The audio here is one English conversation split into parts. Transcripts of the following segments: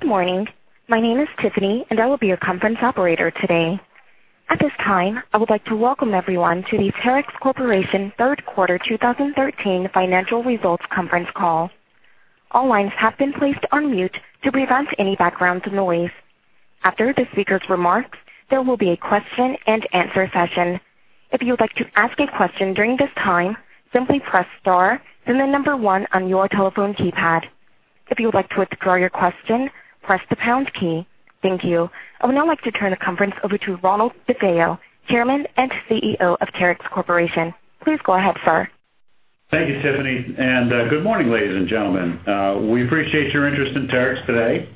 Good morning. My name is Tiffany, and I will be your conference operator today. At this time, I would like to welcome everyone to the Terex Corporation third quarter 2013 financial results conference call. All lines have been placed on mute to prevent any background noise. After the speaker's remarks, there will be a question-and-answer session. If you would like to ask a question during this time, simply press star, then the number 1 on your telephone keypad. If you would like to withdraw your question, press the pound key. Thank you. I would now like to turn the conference over to Ronald DeFeo, Chairman and CEO of Terex Corporation. Please go ahead, sir. Thank you, Tiffany. Good morning, ladies and gentlemen. We appreciate your interest in Terex today.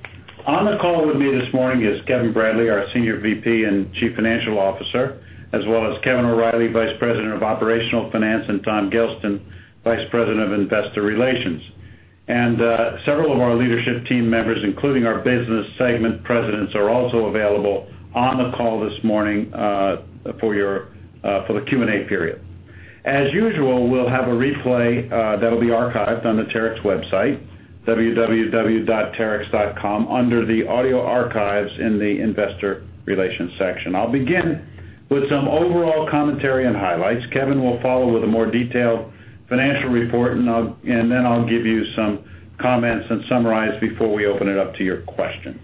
On the call with me this morning is Kevin Bradley, our Senior VP and Chief Financial Officer, as well as Kevin O'Reilly, Vice President of Operational Finance, and Tom Gelston, Vice President of Investor Relations. Several of our leadership team members, including our business segment presidents, are also available on the call this morning for the Q&A period. As usual, we'll have a replay that'll be archived on the Terex website, www.terex.com, under the Audio Archives in the Investor Relations section. I'll begin with some overall commentary and highlights. Kevin will follow with a more detailed financial report. Then I'll give you some comments and summarize before we open it up to your questions.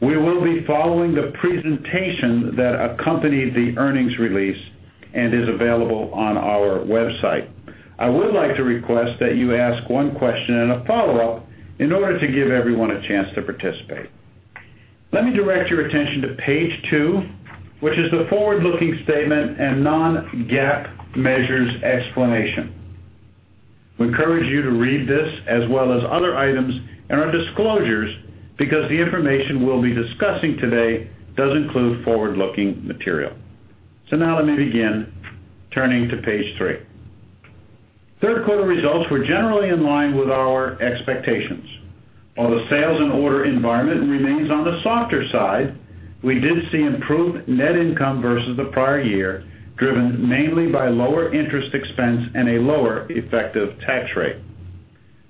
We will be following the presentation that accompanied the earnings release and is available on our website. I would like to request that you ask one question and a follow-up in order to give everyone a chance to participate. Let me direct your attention to page two, which is the forward-looking statement and non-GAAP measures explanation. We encourage you to read this as well as other items and our disclosures because the information we'll be discussing today does include forward-looking material. Now let me begin turning to page three. Third quarter results were generally in line with our expectations. While the sales and order environment remains on the softer side, we did see improved net income versus the prior year, driven mainly by lower interest expense and a lower effective tax rate.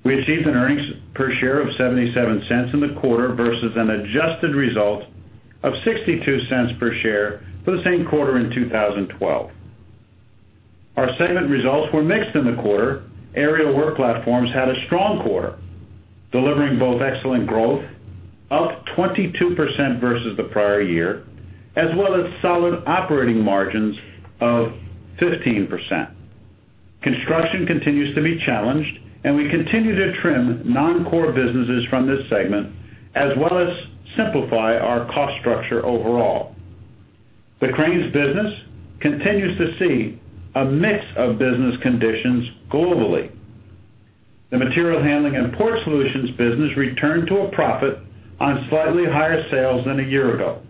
We achieved an earnings per share of $0.77 in the quarter versus an adjusted result of $0.62 per share for the same quarter in 2012. Our segment results were mixed in the quarter. Aerial Work Platforms had a strong quarter, delivering both excellent growth, up 22% versus the prior year, as well as solid operating margins of 15%. Construction continues to be challenged. We continue to trim non-core businesses from this segment, as well as simplify our cost structure overall. The Cranes business continues to see a mix of business conditions globally. The Material Handling & Port Solutions business returned to a profit on slightly higher sales than a year ago.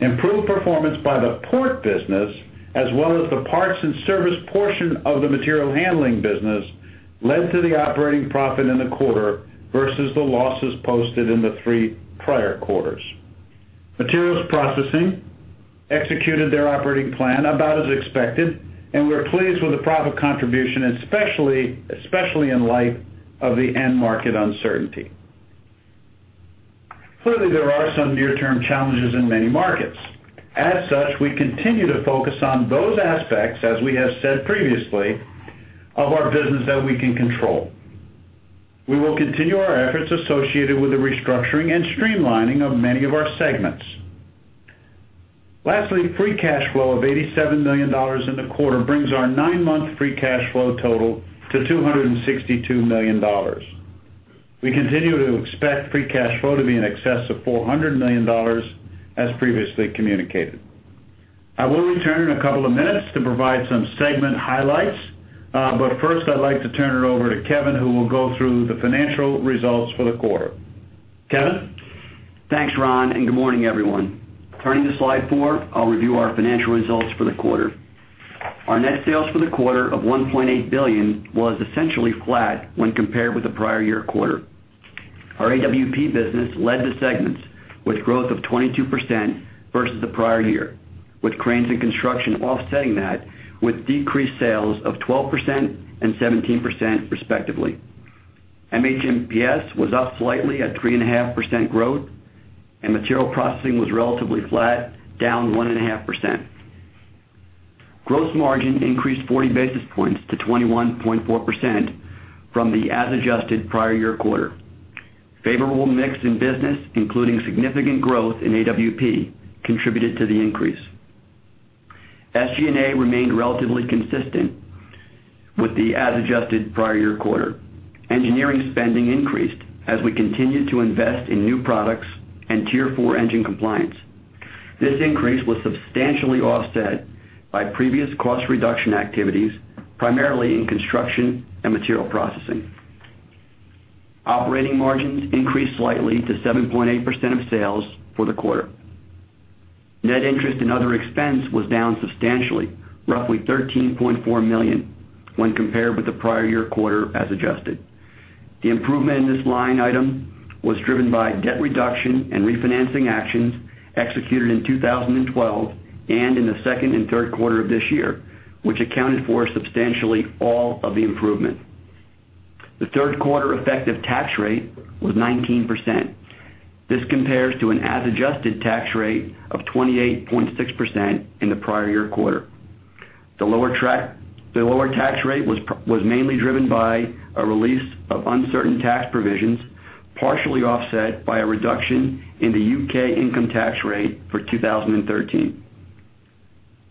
Improved performance by the Port business, as well as the parts and service portion of the Material Handling business, led to the operating profit in the quarter versus the losses posted in the three prior quarters. Materials Processing executed their operating plan about as expected. We're pleased with the profit contribution, especially in light of the end market uncertainty. Clearly, there are some near-term challenges in many markets. As such, we continue to focus on those aspects, as we have said previously, of our business that we can control. We will continue our efforts associated with the restructuring and streamlining of many of our segments. Lastly, free cash flow of $87 million in the quarter brings our nine-month free cash flow total to $262 million. We continue to expect free cash flow to be in excess of $400 million, as previously communicated. I will return in a couple of minutes to provide some segment highlights. First, I'd like to turn it over to Kevin, who will go through the financial results for the quarter. Kevin? Thanks, Ron, good morning, everyone. Turning to slide four, I'll review our financial results for the quarter. Our net sales for the quarter of $1.8 billion was essentially flat when compared with the prior year quarter. Our AWP business led the segments with growth of 22% versus the prior year, with Cranes and Construction offsetting that with decreased sales of 12% and 17% respectively. MHPS was up slightly at 3.5% growth, and Materials Processing was relatively flat, down 1.5%. Gross margin increased 40 basis points to 21.4% from the as-adjusted prior year quarter. Favorable mix in business, including significant growth in AWP, contributed to the increase. SG&A remained relatively consistent with the as-adjusted prior year quarter. Engineering spending increased as we continued to invest in new products and Tier 4 engine compliance. This increase was substantially offset by previous cost reduction activities, primarily in Construction and Materials Processing. Operating margins increased slightly to 7.8% of sales for the quarter. Net interest and other expense was down substantially, roughly $13.4 million, when compared with the prior year quarter as adjusted. The improvement in this line item was driven by debt reduction and refinancing actions executed in 2012 and in the second and third quarter of this year, which accounted for substantially all of the improvement. The third quarter effective tax rate was 19%. This compares to an as-adjusted tax rate of 28.6% in the prior year quarter. The lower tax rate was mainly driven by a release of uncertain tax provisions, partially offset by a reduction in the U.K. income tax rate for 2013.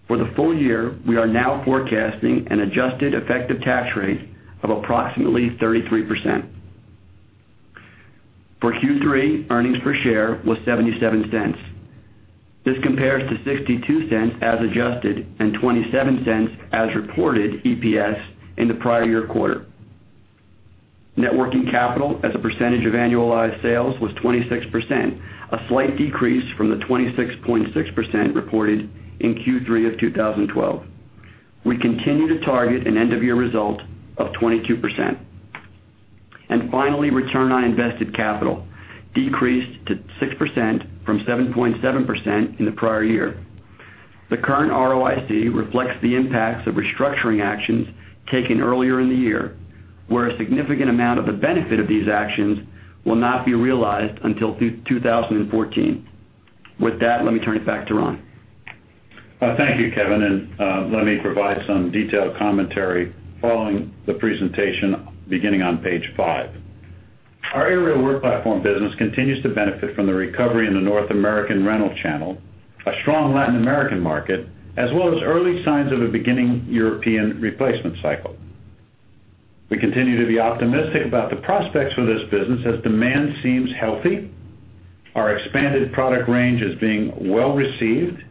For the full year, we are now forecasting an adjusted effective tax rate of approximately 33%. For Q3, earnings per share was $0.77. This compares to $0.62 as adjusted and $0.27 as reported EPS in the prior year quarter. Networking capital as a percentage of annualized sales was 26%, a slight decrease from the 26.6% reported in Q3 of 2012. We continue to target an end-of-year result of 22%. Finally, return on invested capital decreased to 6% from 7.7% in the prior year. The current ROIC reflects the impacts of restructuring actions taken earlier in the year, where a significant amount of the benefit of these actions will not be realized until 2014. With that, let me turn it back to Ron. Thank you, Kevin, and let me provide some detailed commentary following the presentation, beginning on page five. Our Aerial Work Platforms business continues to benefit from the recovery in the North American rental channel, a strong Latin American market, as well as early signs of a beginning European replacement cycle. We continue to be optimistic about the prospects for this business, as demand seems healthy, our expanded product range is being well-received,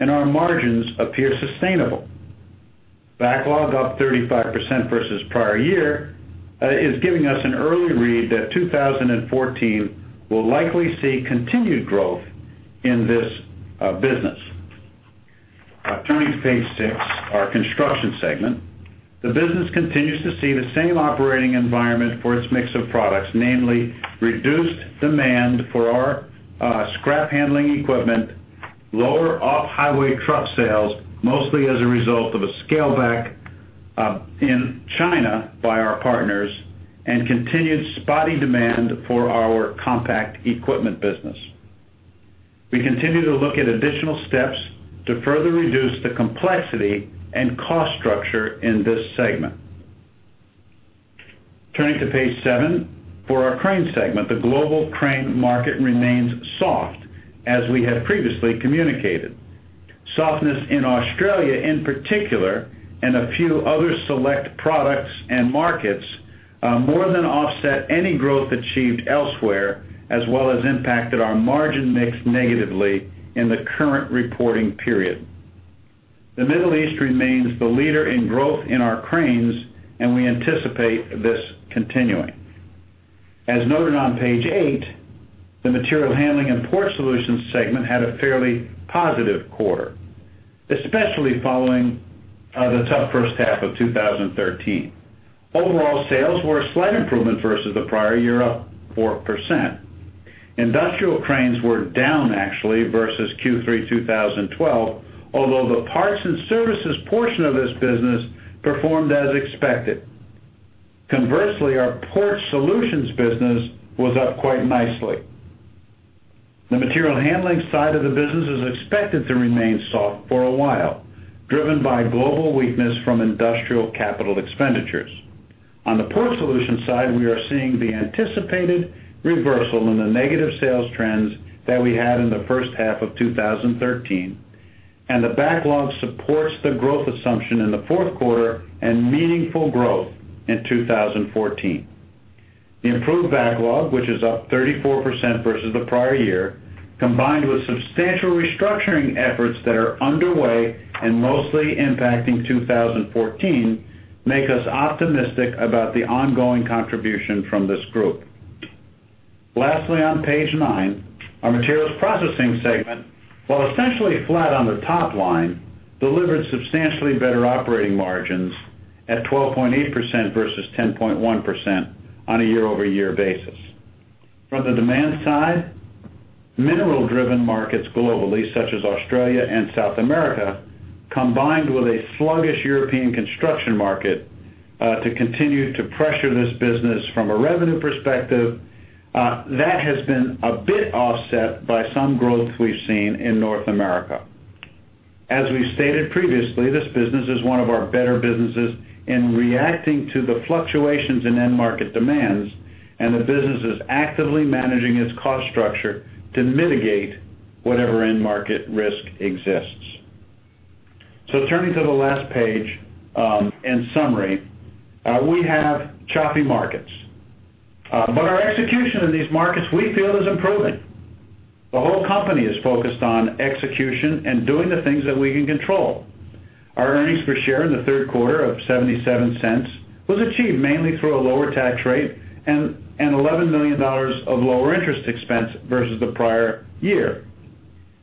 and our margins appear sustainable. Backlog up 35% versus prior year is giving us an early read that 2014 will likely see continued growth in this business. Turning to page six, our construction segment. The business continues to see the same operating environment for its mix of products, namely reduced demand for our scrap handling equipment, lower off-highway truck sales, mostly as a result of a scale back in China by our partners, and continued spotty demand for our compact equipment business. We continue to look at additional steps to further reduce the complexity and cost structure in this segment. Turning to page seven. For our crane segment, the global crane market remains soft as we had previously communicated. Softness in Australia in particular, and a few other select products and markets, more than offset any growth achieved elsewhere, as well as impacted our margin mix negatively in the current reporting period. The Middle East remains the leader in growth in our cranes and we anticipate this continuing. As noted on page eight, the Material Handling & Port Solutions segment had a fairly positive quarter, especially following the tough first half of 2013. Overall sales were a slight improvement versus the prior year, up 4%. Industrial cranes were down actually versus Q3 2012, although the parts and services portion of this business performed as expected. Conversely, our Port Solutions business was up quite nicely. The material handling side of the business is expected to remain soft for a while, driven by global weakness from industrial capital expenditures. On the Port Solutions side, we are seeing the anticipated reversal in the negative sales trends that we had in the first half of 2013, and the backlog supports the growth assumption in the fourth quarter and meaningful growth in 2014. The improved backlog, which is up 34% versus the prior year, combined with substantial restructuring efforts that are underway and mostly impacting 2014, make us optimistic about the ongoing contribution from this group. Lastly, on page nine, our Materials Processing segment, while essentially flat on the top line, delivered substantially better operating margins at 12.8% versus 10.1% on a year-over-year basis. From the demand side, mineral-driven markets globally, such as Australia and South America, combined with a sluggish European construction market to continue to pressure this business from a revenue perspective. That has been a bit offset by some growth we've seen in North America. As we stated previously, this business is one of our better businesses in reacting to the fluctuations in end market demands and the business is actively managing its cost structure to mitigate whatever end market risk exists. Turning to the last page, in summary, we have choppy markets, but our execution in these markets we feel is improving. The whole company is focused on execution and doing the things that we can control. Our earnings per share in the third quarter of $0.77 was achieved mainly through a lower tax rate and $11 million of lower interest expense versus the prior year.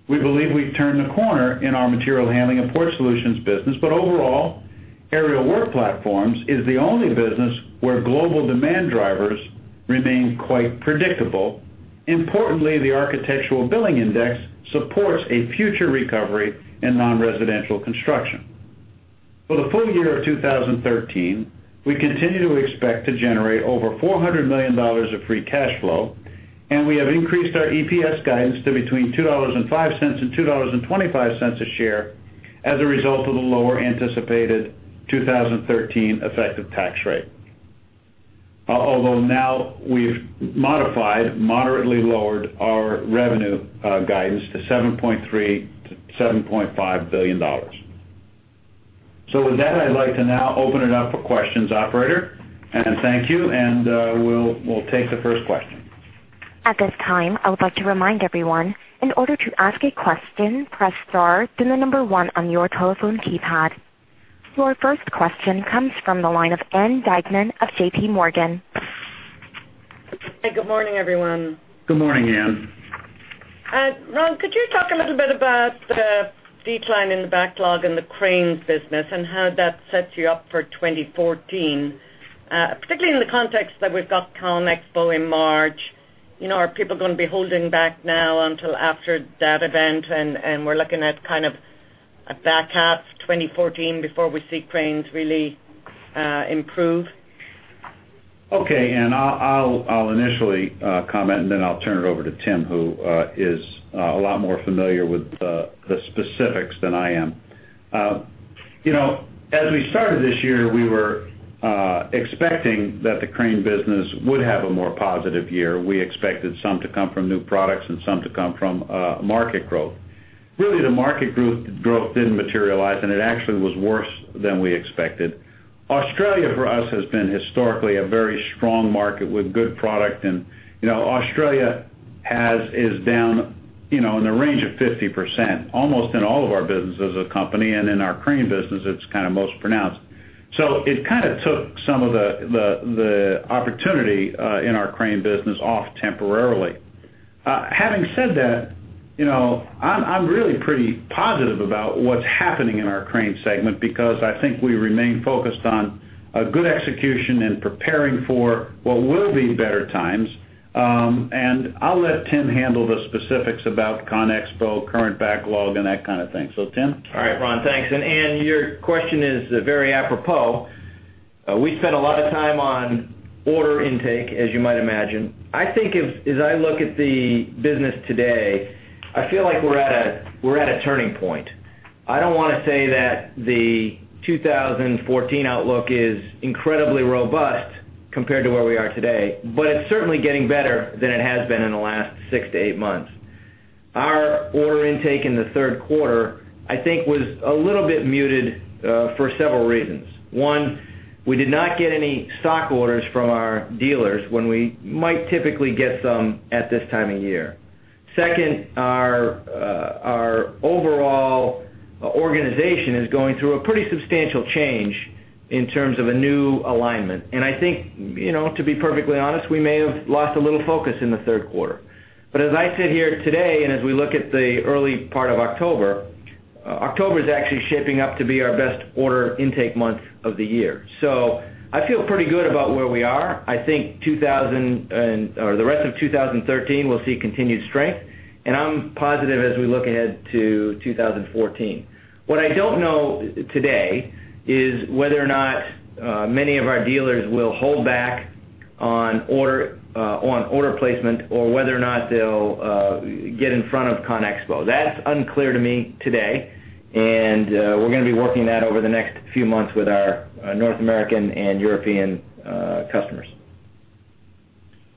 We believe we've turned the corner in our Material Handling & Port Solutions business, but overall, Aerial Work Platforms is the only business where global demand drivers remain quite predictable. Importantly, the Architectural Billings Index supports a future recovery in non-residential construction. For the full year of 2013, we continue to expect to generate over $400 million of free cash flow, and we have increased our EPS guidance to between $2.05 and $2.25 a share as a result of the lower anticipated 2013 effective tax rate. Now we've modified, moderately lowered our revenue guidance to $7.3 billion-$7.5 billion. With that, I'd like to now open it up for questions. Operator, and thank you. We'll take the first question. At this time, I would like to remind everyone, in order to ask a question, press star, then the number 1 on your telephone keypad. Your first question comes from the line of Ann Duignan of JPMorgan. Hey, good morning, everyone. Good morning, Ann. Ron, could you talk a little bit about the decline in the backlog in the cranes business and how that sets you up for 2014, particularly in the context that we've got CONEXPO in March. Are people going to be holding back now until after that event, and we're looking at kind of a back half 2014 before we see cranes really improve? Okay, Ann, I'll initially comment, then I'll turn it over to Tim, who is a lot more familiar with the specifics than I am. As we started this year, we were expecting that the crane business would have a more positive year. We expected some to come from new products and some to come from market growth. Really, the market growth didn't materialize, and it actually was worse than we expected. Australia, for us, has been historically a very strong market with good product. Australia is down in the range of 50%, almost in all of our business as a company, and in our crane business, it's kind of most pronounced. It kind of took some of the opportunity in our crane business off temporarily. Having said that, I'm really pretty positive about what's happening in our crane segment because I think we remain focused on a good execution and preparing for what will be better times. I'll let Tim handle the specifics about CONEXPO, current backlog, and that kind of thing. Tim? All right, Ron, thanks. Ann, your question is very apropos. We spent a lot of time on order intake, as you might imagine. I think as I look at the business today, I feel like we're at a turning point. I don't want to say that the 2014 outlook is incredibly robust compared to where we are today, but it's certainly getting better than it has been in the last 6 to 8 months. Our order intake in the third quarter, I think, was a little bit muted for several reasons. One, we did not get any stock orders from our dealers when we might typically get some at this time of year. Second, our overall organization is going through a pretty substantial change in terms of a new alignment. I think, to be perfectly honest, we may have lost a little focus in the third quarter. As I sit here today, and as we look at the early part of October is actually shaping up to be our best order intake month of the year. I feel pretty good about where we are. I think the rest of 2013 will see continued strength, and I'm positive as we look ahead to 2014. What I don't know today is whether or not many of our dealers will hold back on order placement or whether or not they'll get in front of CONEXPO. That's unclear to me today, and we're going to be working that over the next few months with our North American and European customers.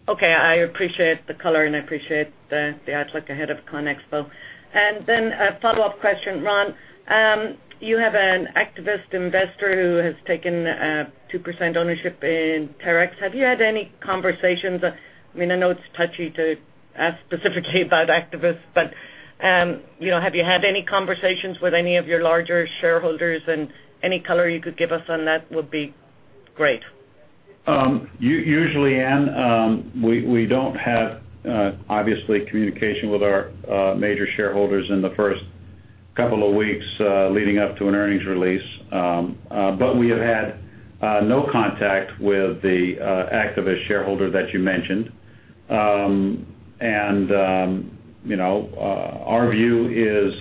Okay. I appreciate the color, and I appreciate the outlook ahead of CONEXPO. A follow-up question, Ron. You have an activist investor who has taken a 2% ownership in Terex. Have you had any conversations? I know it's touchy to ask specifically about activists, but have you had any conversations with any of your larger shareholders, and any color you could give us on that would be great. Usually, Ann, we don't have, obviously, communication with our major shareholders in the first couple of weeks leading up to an earnings release. We have had no contact with the activist shareholder that you mentioned. Our view is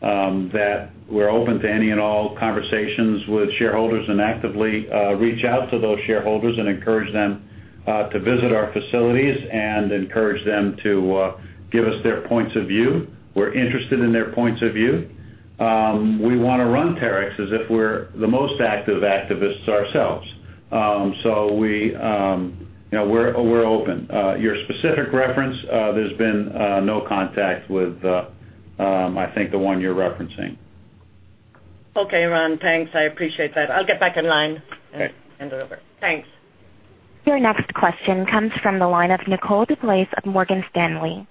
that we're open to any and all conversations with shareholders and actively reach out to those shareholders and encourage them to visit our facilities and encourage them to give us their points of view. We're interested in their points of view. We want to run Terex as if we're the most active activists ourselves. We're open. Your specific reference, there's been no contact with, I think, the one you're referencing. Okay, Ron. Thanks. I appreciate that. I'll get back in line and hand it over. Thanks. Your next question comes from the line of Nicole DeBlase of Morgan Stanley.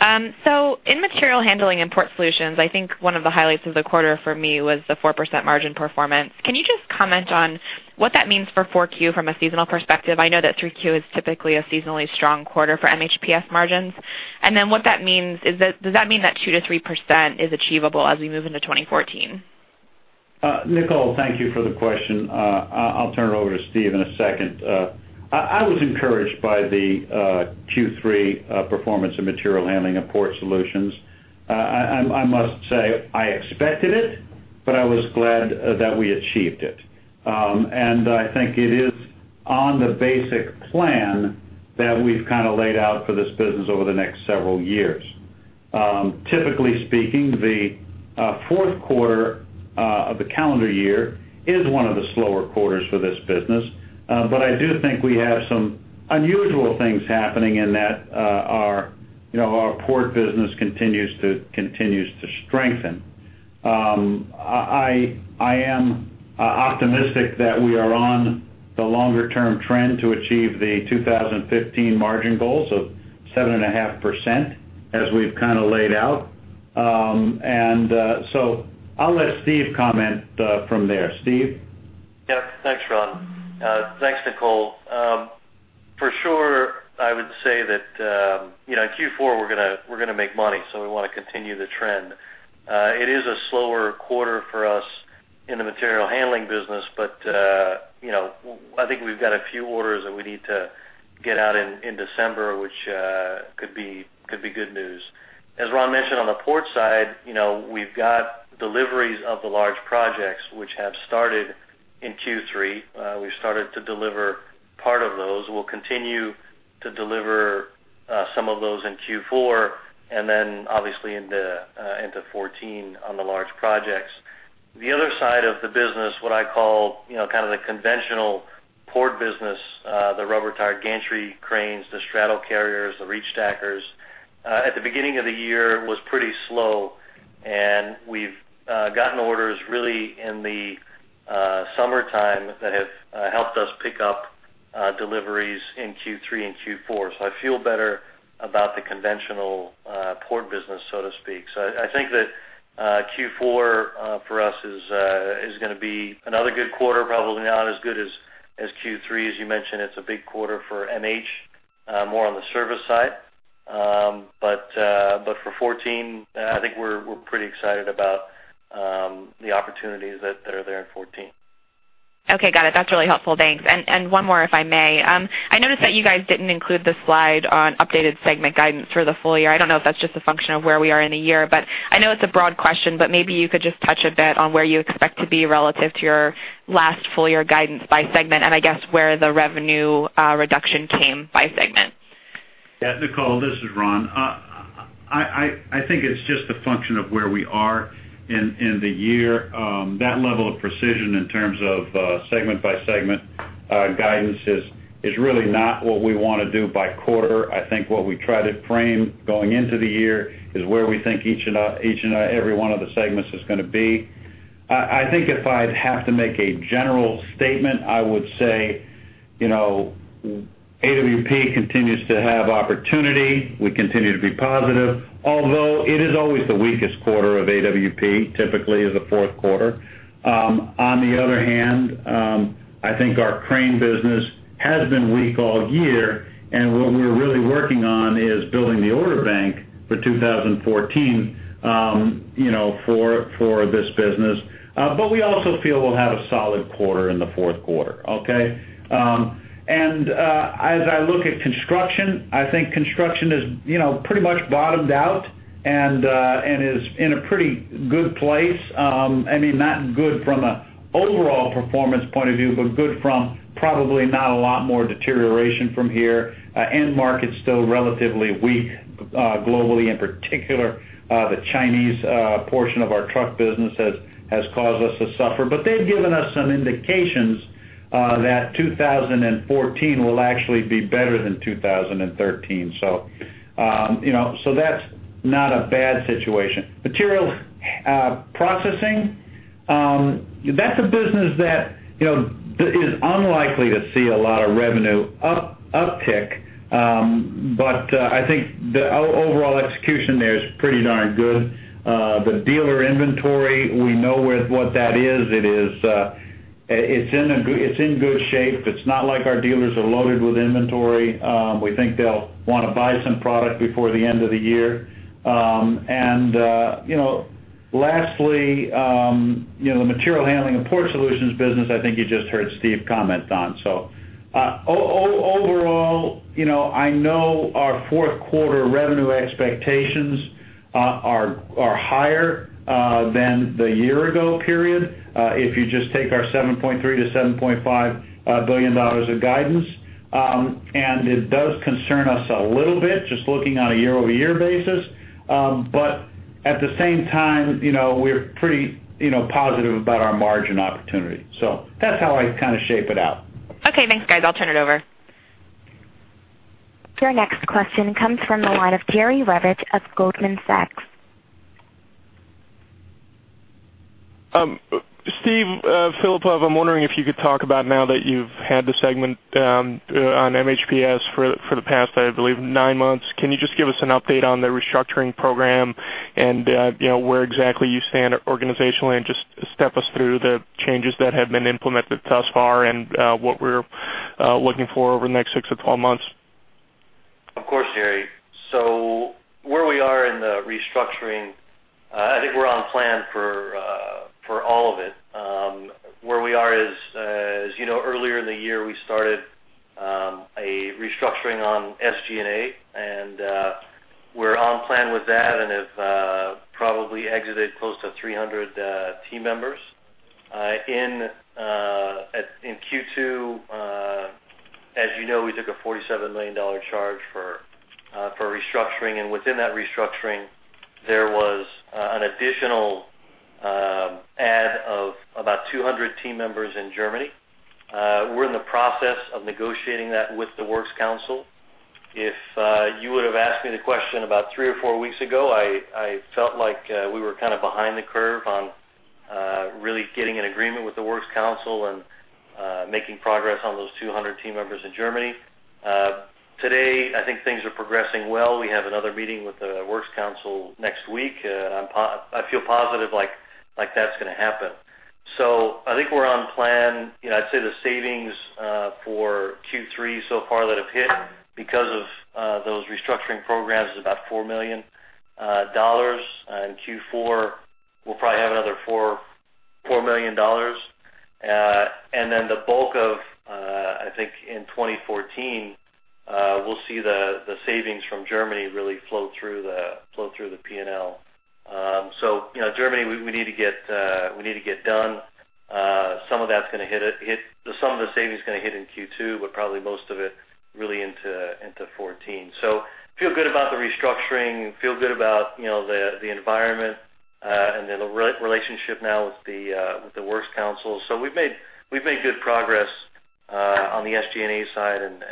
In Material Handling & Port Solutions, I think one of the highlights of the quarter for me was the 4% margin performance. Can you just comment on what that means for 4Q from a seasonal perspective? I know that 3Q is typically a seasonally strong quarter for MHPS margins. What that means, does that mean that 2%-3% is achievable as we move into 2014? Nicole, thank you for the question. I'll turn it over to Steve in a second. I was encouraged by the Q3 performance of Material Handling & Port Solutions. I must say I expected it, but I was glad that we achieved it. I think it is on the basic plan that we've laid out for this business over the next several years. Typically speaking, the fourth quarter of the calendar year is one of the slower quarters for this business. I do think we have some unusual things happening in that our port business continues to strengthen. I am optimistic that we are on the longer-term trend to achieve the 2015 margin goals of 7.5% as we've laid out. I'll let Steve comment from there. Steve? Yeah, thanks, Ron. Thanks, Nicole. For sure, I would say that in Q4 we're going to make money, so we want to continue the trend. It is a slower quarter for us in the Material Handling business but I think we've got a few orders that we need to get out in December, which could be good news. As Ron mentioned on the port side, we've got deliveries of the large projects which have started in Q3. We've started to deliver part of those. We'll continue to deliver some of those in Q4 and then obviously into 2014 on the large projects. The other side of the business, what I call kind of the conventional port business, the rubber tire gantry cranes, the straddle carriers, the reach stackers, at the beginning of the year was pretty slow. We've gotten orders really in the summertime that have helped us pick up deliveries in Q3 and Q4. I feel better about the conventional port business, so to speak. I think that Q4 for us is going to be another good quarter, probably not as good as Q3. As you mentioned, it's a big quarter for MH, more on the service side. For 2014, I think we're pretty excited about the opportunities that are there in 2014. Okay, got it. That's really helpful. Thanks. One more, if I may. I noticed that you guys didn't include the slide on updated segment guidance for the full year. I don't know if that's just a function of where we are in a year, but I know it's a broad question, but maybe you could just touch a bit on where you expect to be relative to your last full-year guidance by segment, and I guess where the revenue reduction came by segment. Yeah. Nicole, this is Ron. I think it's just a function of where we are in the year. That level of precision in terms of segment-by-segment guidance is really not what we want to do by quarter. I think what we try to frame going into the year is where we think each and every one of the segments is going to be. I think if I'd have to make a general statement, I would say AWP continues to have opportunity. We continue to be positive, although it is always the weakest quarter of AWP, typically is the fourth quarter. On the other hand, I think our crane business has been weak all year, and what we're really working on is building the order bank for 2014 for this business. We also feel we'll have a solid quarter in the fourth quarter, okay? As I look at construction, I think construction has pretty much bottomed out and is in a pretty good place. Not good from an overall performance point of view, but good from probably not a lot more deterioration from here. End market's still relatively weak globally. In particular, the Chinese portion of our truck business has caused us to suffer. They've given us some indications that 2014 will actually be better than 2013. That's not a bad situation. Materials Processing, that's a business that is unlikely to see a lot of revenue uptick. I think the overall execution there is pretty darn good. The dealer inventory, we know what that is. It's in good shape. It's not like our dealers are loaded with inventory. We think they'll want to buy some product before the end of the year. Lastly, the Material Handling & Port Solutions business, I think you just heard Steve comment on. Overall, I know our fourth quarter revenue expectations are higher than the year-ago period. If you just take our $7.3 billion-$7.5 billion of guidance, it does concern us a little bit just looking on a year-over-year basis. At the same time, we're pretty positive about our margin opportunity. That's how I kind of shape it out. Okay, thanks guys. I'll turn it over. Your next question comes from the line of Jerry Revich of Goldman Sachs. Steve Filipov, I'm wondering if you could talk about now that you've had the segment on MHPS for the past, I believe, nine months. Can you just give us an update on the restructuring program and where exactly you stand organizationally, and just step us through the changes that have been implemented thus far and what we're looking for over the next 6-12 months? Of course, Jerry. Where we are in the restructuring, I think we're on plan for all of it. Where we are is, as you know, earlier in the year, we started a restructuring on SG&A, and we're on plan with that and have probably exited close to 300 team members. In Q2, as you know, we took a $47 million charge for restructuring, and within that restructuring, there was an additional add of about 200 team members in Germany. We're in the process of negotiating that with the works council. If you would've asked me the question about three or four weeks ago, I felt like we were kind of behind the curve on really getting an agreement with the works council and making progress on those 200 team members in Germany. Today, I think things are progressing well. We have another meeting with the works council next week, and I feel positive like that's going to happen. I think we're on plan. I'd say the savings for Q3 so far that have hit because of those restructuring programs is about $4 million. In Q4, we'll probably have another $4 million. The bulk of, I think in 2014, we'll see the savings from Germany really flow through the P&L. Germany, we need to get done. Some of the savings are going to hit in Q2, but probably most of it really into 2014. Feel good about the restructuring, feel good about the environment, and the relationship now with the works council. We've made good progress on the SG&A side and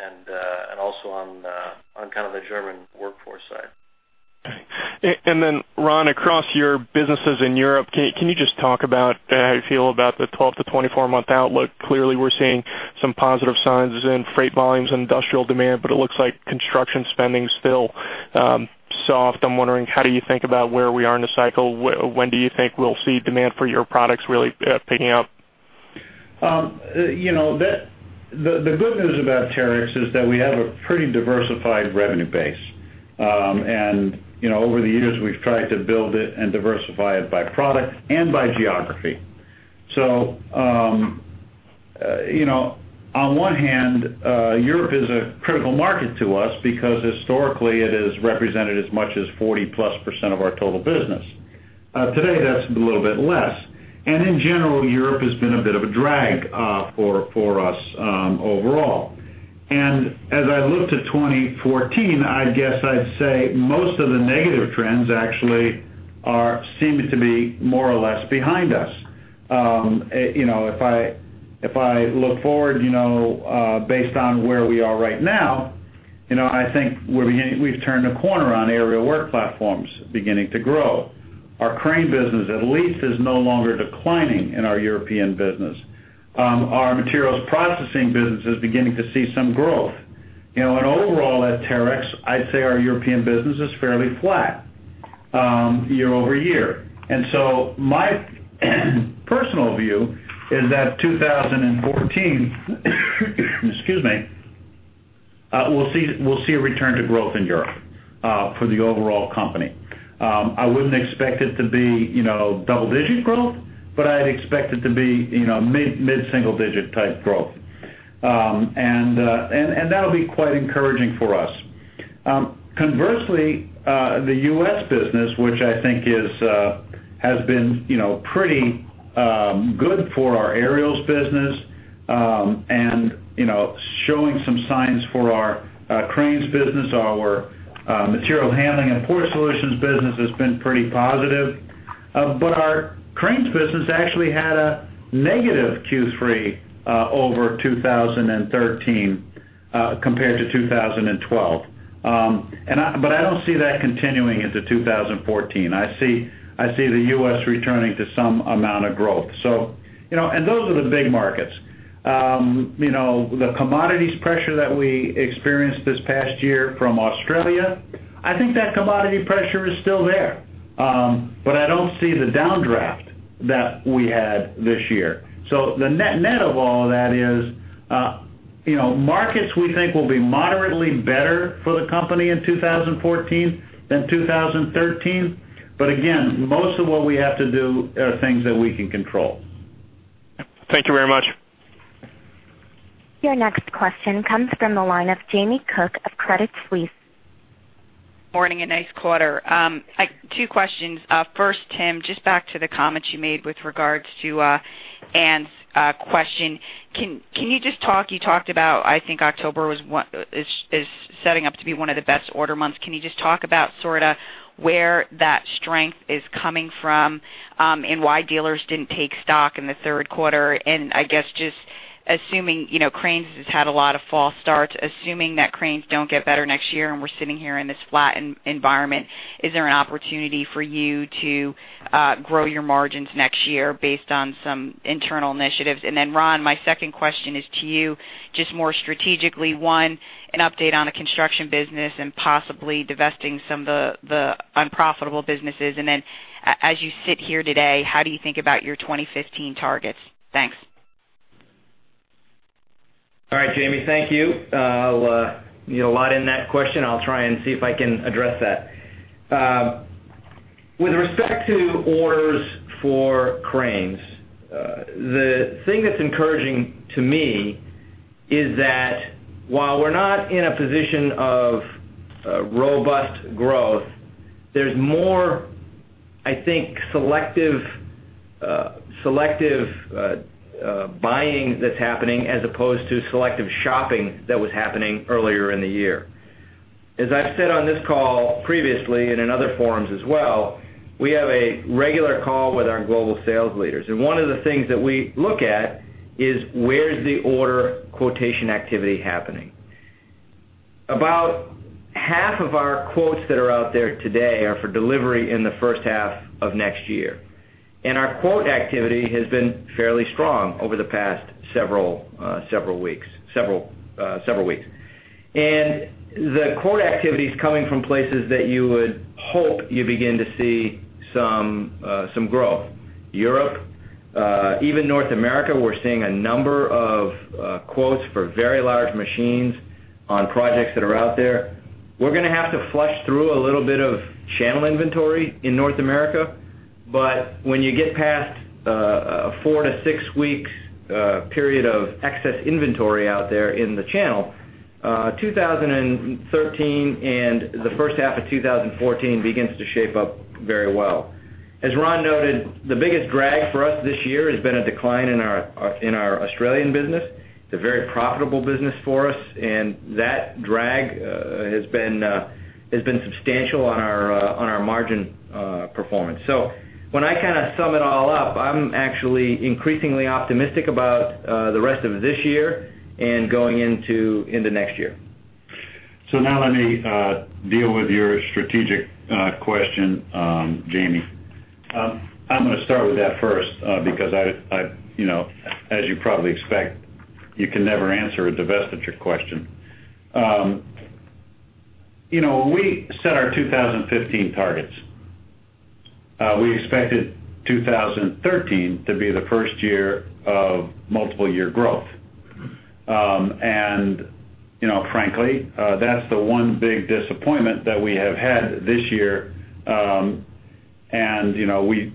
also on kind of the German workforce side. Ron, across your businesses in Europe, can you just talk about how you feel about the 12-24-month outlook? Clearly, we're seeing some positive signs in freight volumes and industrial demand, but it looks like construction spending's still soft. I'm wondering, how do you think about where we are in the cycle? When do you think we'll see demand for your products really picking up? The good news about Terex is that we have a pretty diversified revenue base. Over the years, we've tried to build it and diversify it by product and by geography. On one hand, Europe is a critical market to us because historically it has represented as much as 40+% of our total business. Today, that's a little bit less, and in general, Europe has been a bit of a drag for us overall. As I look to 2014, I guess I'd say most of the negative trends actually seem to be more or less behind us. If I look forward, based on where we are right now, I think we've turned a corner on Aerial Work Platforms beginning to grow. Our Cranes business at least is no longer declining in our European business. Our Materials Processing business is beginning to see some growth. Overall at Terex, I'd say our European business is fairly flat year-over-year. My personal view is that 2014, excuse me, we'll see a return to growth in Europe for the overall company. I wouldn't expect it to be double-digit growth, but I'd expect it to be mid-single-digit type growth. That'll be quite encouraging for us. Conversely, the U.S. business, which I think has been pretty good for our Aerials business, and showing some signs for our Cranes business, our Material Handling & Port Solutions business has been pretty positive. Our Cranes business actually had a negative Q3 over 2013 compared to 2012. I don't see that continuing into 2014. I see the U.S. returning to some amount of growth. Those are the big markets. The commodities pressure that we experienced this past year from Australia, I think that commodity pressure is still there, I don't see the downdraft that we had this year. The net of all of that is markets we think will be moderately better for the company in 2014 than 2013. Again, most of what we have to do are things that we can control. Thank you very much. Your next question comes from the line of Jamie Cook of Credit Suisse. Morning. Nice quarter. Two questions. First, Tim, just back to the comments you made with regards to Ann's question. You talked about, I think October is setting up to be one of the best order months. Can you just talk about sort of where that strength is coming from and why dealers didn't take stock in the third quarter? I guess just assuming cranes has had a lot of false starts, assuming that cranes don't get better next year and we're sitting here in this flat environment, is there an opportunity for you to grow your margins next year based on some internal initiatives? Then Ron, my second question is to you, just more strategically. One, an update on the construction business and possibly divesting some of the unprofitable businesses. Then as you sit here today, how do you think about your 2015 targets? Thanks. All right, Jamie, thank you. You had a lot in that question. I'll try and see if I can address that. With respect to orders for cranes, the thing that's encouraging to me is that while we're not in a position of robust growth, there's more, I think, selective buying that's happening as opposed to selective shopping that was happening earlier in the year. As I've said on this call previously and in other forums as well, we have a regular call with our global sales leaders. One of the things that we look at is, where's the order quotation activity happening? About half of our quotes that are out there today are for delivery in the first half of next year. Our quote activity has been fairly strong over the past several weeks. The quote activity is coming from places that you would hope you begin to see some growth. Europe, even North America, we're seeing a number of quotes for very large machines on projects that are out there. We're going to have to flush through a little bit of channel inventory in North America. But when you get past a four to six weeks period of excess inventory out there in the channel, 2013 and the first half of 2014 begins to shape up very well. As Ron noted, the biggest drag for us this year has been a decline in our Australian business. It's a very profitable business for us, and that drag has been substantial on our margin performance. When I kind of sum it all up, I'm actually increasingly optimistic about the rest of this year and going into next year. Now let me deal with your strategic question, Jamie. I'm going to start with that first, because as you probably expect, you can never answer a divestiture question. When we set our 2015 targets, we expected 2013 to be the first year of multiple year growth. Frankly, that's the one big disappointment that we have had this year. We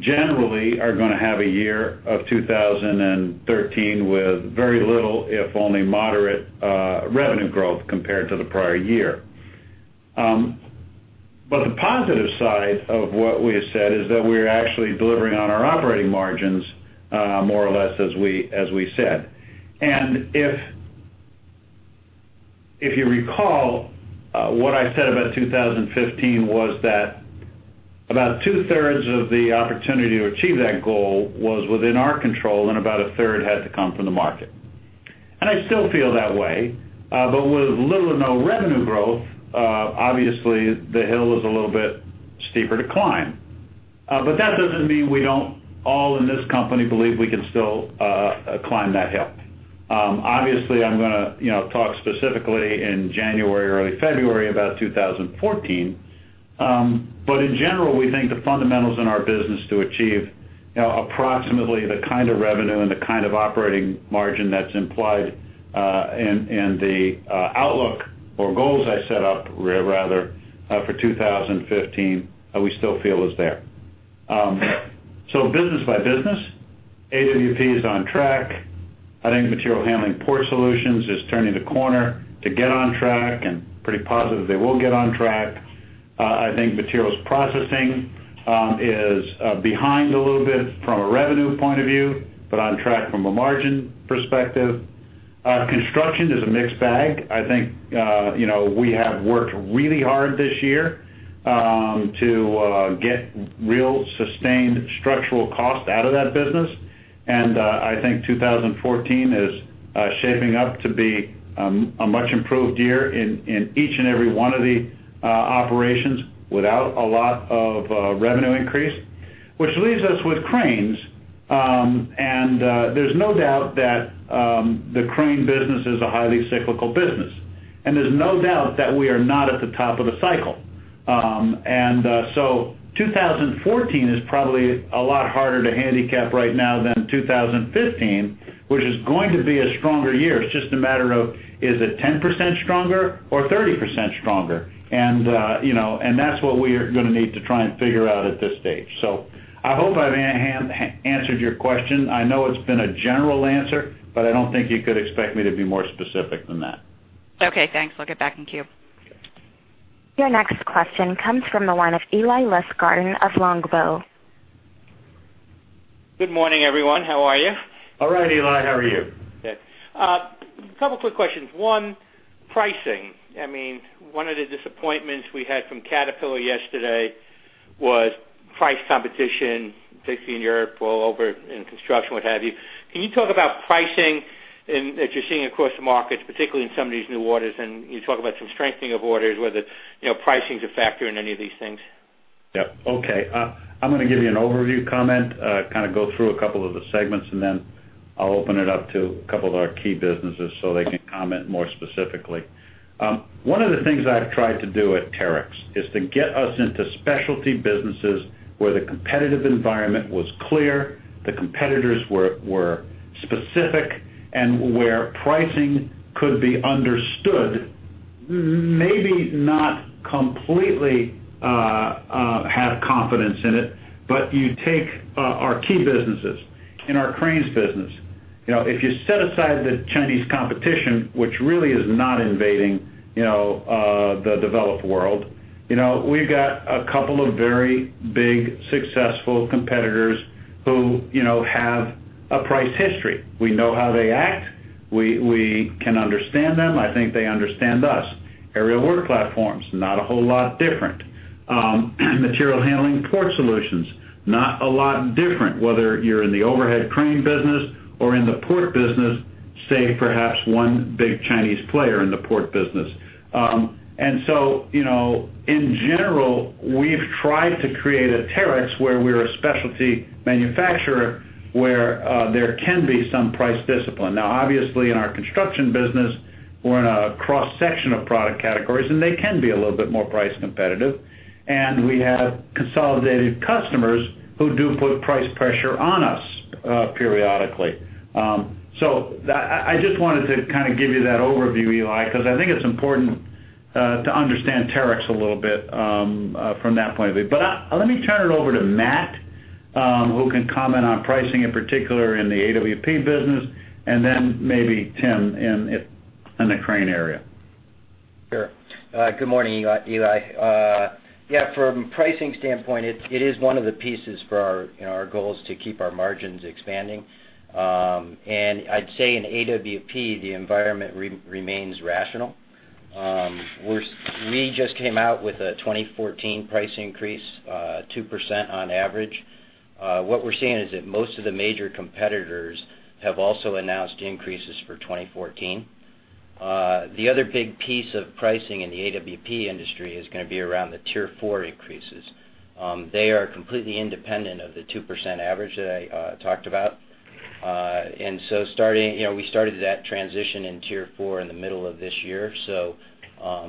generally are going to have a year of 2013 with very little, if only moderate, revenue growth compared to the prior year. The positive side of what we have said is that we're actually delivering on our operating margins, more or less as we said. If you recall, what I said about 2015 was that about two-thirds of the opportunity to achieve that goal was within our control, and about a third had to come from the market. I still feel that way. With little or no revenue growth, obviously the hill is a little bit steeper to climb. That doesn't mean we don't all in this company believe we can still climb that hill. Obviously, I'm going to talk specifically in January or early February about 2014. In general, we think the fundamentals in our business to achieve approximately the kind of revenue and the kind of operating margin that's implied, and the outlook or goals I set up, rather, for 2015, we still feel is there. Business by business, AWP is on track. I think Material Handling & Port Solutions is turning the corner to get on track, and pretty positive they will get on track. I think Materials Processing is behind a little bit from a revenue point of view, but on track from a margin perspective. Construction is a mixed bag. I think we have worked really hard this year to get real sustained structural cost out of that business. I think 2014 is shaping up to be a much improved year in each and every one of the operations without a lot of revenue increase, which leaves us with cranes. There's no doubt that the crane business is a highly cyclical business, and there's no doubt that we are not at the top of the cycle. 2014 is probably a lot harder to handicap right now than 2015, which is going to be a stronger year. It's just a matter of, is it 10% stronger or 30% stronger? That's what we are going to need to try and figure out at this stage. I hope I've answered your question. I know it's been a general answer, I don't think you could expect me to be more specific than that. Okay, thanks. I'll get back in queue. Okay. Your next question comes from the line of Eli Lustgarten of Longbow. Good morning, everyone. How are you? All right, Eli, how are you? Good. Couple quick questions. One, pricing. One of the disappointments we had from Caterpillar yesterday was price competition, particularly in Europe, all over in construction, what have you. Can you talk about pricing that you're seeing across the markets, particularly in some of these new orders? Can you talk about some strengthening of orders, whether pricing is a factor in any of these things? Yeah. Okay. I'm going to give you an overview comment, kind of go through a couple of the segments, then I'll open it up to a couple of our key businesses so they can comment more specifically. One of the things I've tried to do at Terex is to get us into specialty businesses where the competitive environment was clear, the competitors were specific, and where pricing could be understood. Maybe not completely have confidence in it, but you take our key businesses. In our cranes business, if you set aside the Chinese competition, which really is not invading the developed world, we've got a couple of very big, successful competitors who have a price history. We know how they act. We can understand them. I think they understand us. Aerial Work Platforms, not a whole lot different. Material Handling & Port Solutions, not a lot different, whether you're in the overhead crane business or in the port business, save perhaps one big Chinese player in the port business. In general, we've tried to create a Terex where we're a specialty manufacturer, where there can be some price discipline. Obviously, in our construction business, we're in a cross-section of product categories, they can be a little bit more price competitive, we have consolidated customers who do put price pressure on us periodically. I just wanted to kind of give you that overview, Eli, because I think it's important to understand Terex a little bit from that point of view. Let me turn it over to Matt, who can comment on pricing, in particular, in the AWP business, then maybe Tim in the crane area. Sure. Good morning, Eli. Yeah, from a pricing standpoint, it is one of the pieces for our goals to keep our margins expanding. I'd say in AWP, the environment remains rational. We just came out with a 2014 price increase, 2% on average. What we're seeing is that most of the major competitors have also announced increases for 2014. The other big piece of pricing in the AWP industry is going to be around the Tier 4 increases. They are completely independent of the 2% average that I talked about. We started that transition in Tier 4 in the middle of this year, so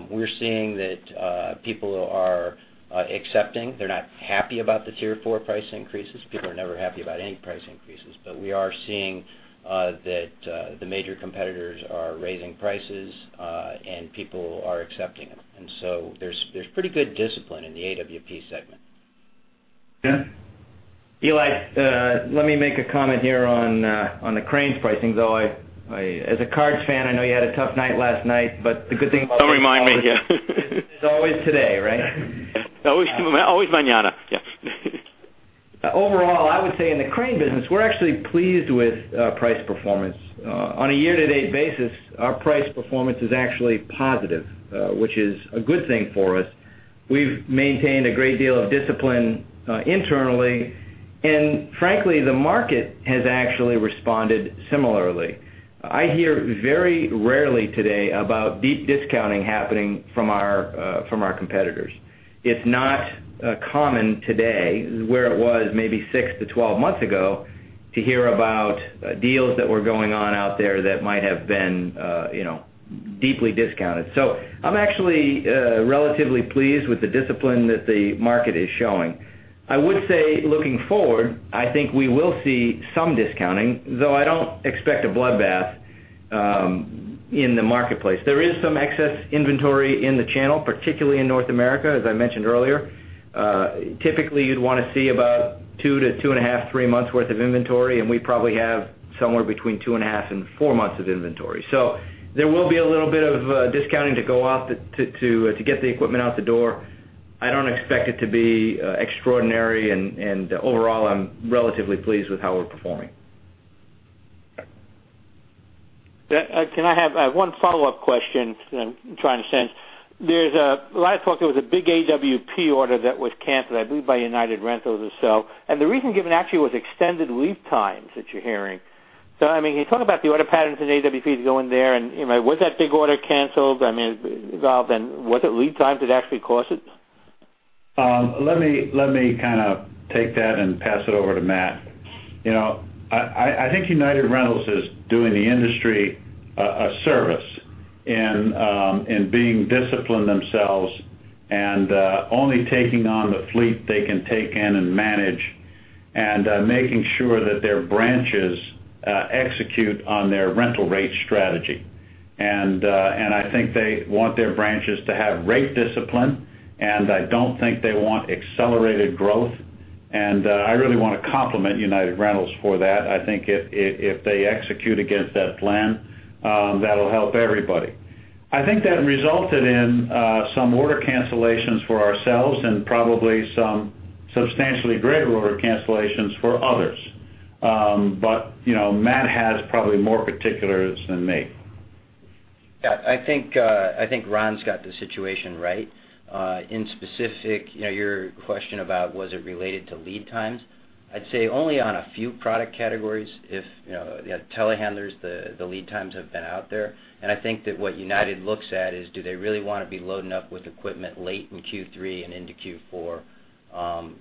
we're seeing that people are accepting. They're not happy about the Tier 4 price increases. People are never happy about any price increases. We are seeing that the major competitors are raising prices, people are accepting them. there's pretty good discipline in the AWP segment. Tim? Eli, let me make a comment here on the cranes pricing, though, as a Cardinals fan, I know you had a tough night last night. Don't remind me. Is always today, right? Always mañana, yes. Overall, I would say in the crane business, we're actually pleased with price performance. On a year-to-date basis, our price performance is actually positive, which is a good thing for us. We've maintained a great deal of discipline internally, and frankly, the market has actually responded similarly. I hear very rarely today about deep discounting happening from our competitors. It's not common today, where it was maybe 6 to 12 months ago, to hear about deals that were going on out there that might have been deeply discounted. I'm actually relatively pleased with the discipline that the market is showing. I would say, looking forward, I think we will see some discounting, though I don't expect a bloodbath in the marketplace. There is some excess inventory in the channel, particularly in North America, as I mentioned earlier. Typically, you'd want to see about 2 to 2.5, 3 months worth of inventory, and we probably have somewhere between 2.5 and 4 months of inventory. There will be a little bit of a discounting to go out to get the equipment out the door. I don't expect it to be extraordinary, and overall, I'm relatively pleased with how we're performing. Can I have one follow-up question because I'm trying to understand. There's a lot of talk there was a big AWP order that was canceled, I believe, by United Rentals or so, and the reason given actually was extended lead times that you're hearing. I mean, can you talk about the order patterns in AWP to go in there, and was that big order canceled? I mean, [is that valid], and was it lead times that actually caused it? Let me kind of take that and pass it over to Matt. I think United Rentals is doing the industry a service in being disciplined themselves and only taking on the fleet they can take in and manage and making sure that their branches execute on their rental rate strategy. I think they want their branches to have rate discipline, I don't think they want accelerated growth, and I really want to compliment United Rentals for that. I think if they execute against that plan, that'll help everybody. I think that resulted in some order cancellations for ourselves and probably some substantially greater order cancellations for others. Matt has probably more particulars than me. Yeah, I think Ron's got the situation right. Specifically, your question about was it related to lead times, I'd say only on a few product categories. Telehandlers, the lead times have been out there, and I think that what United looks at is do they really want to be loading up with equipment late in Q3 and into Q4.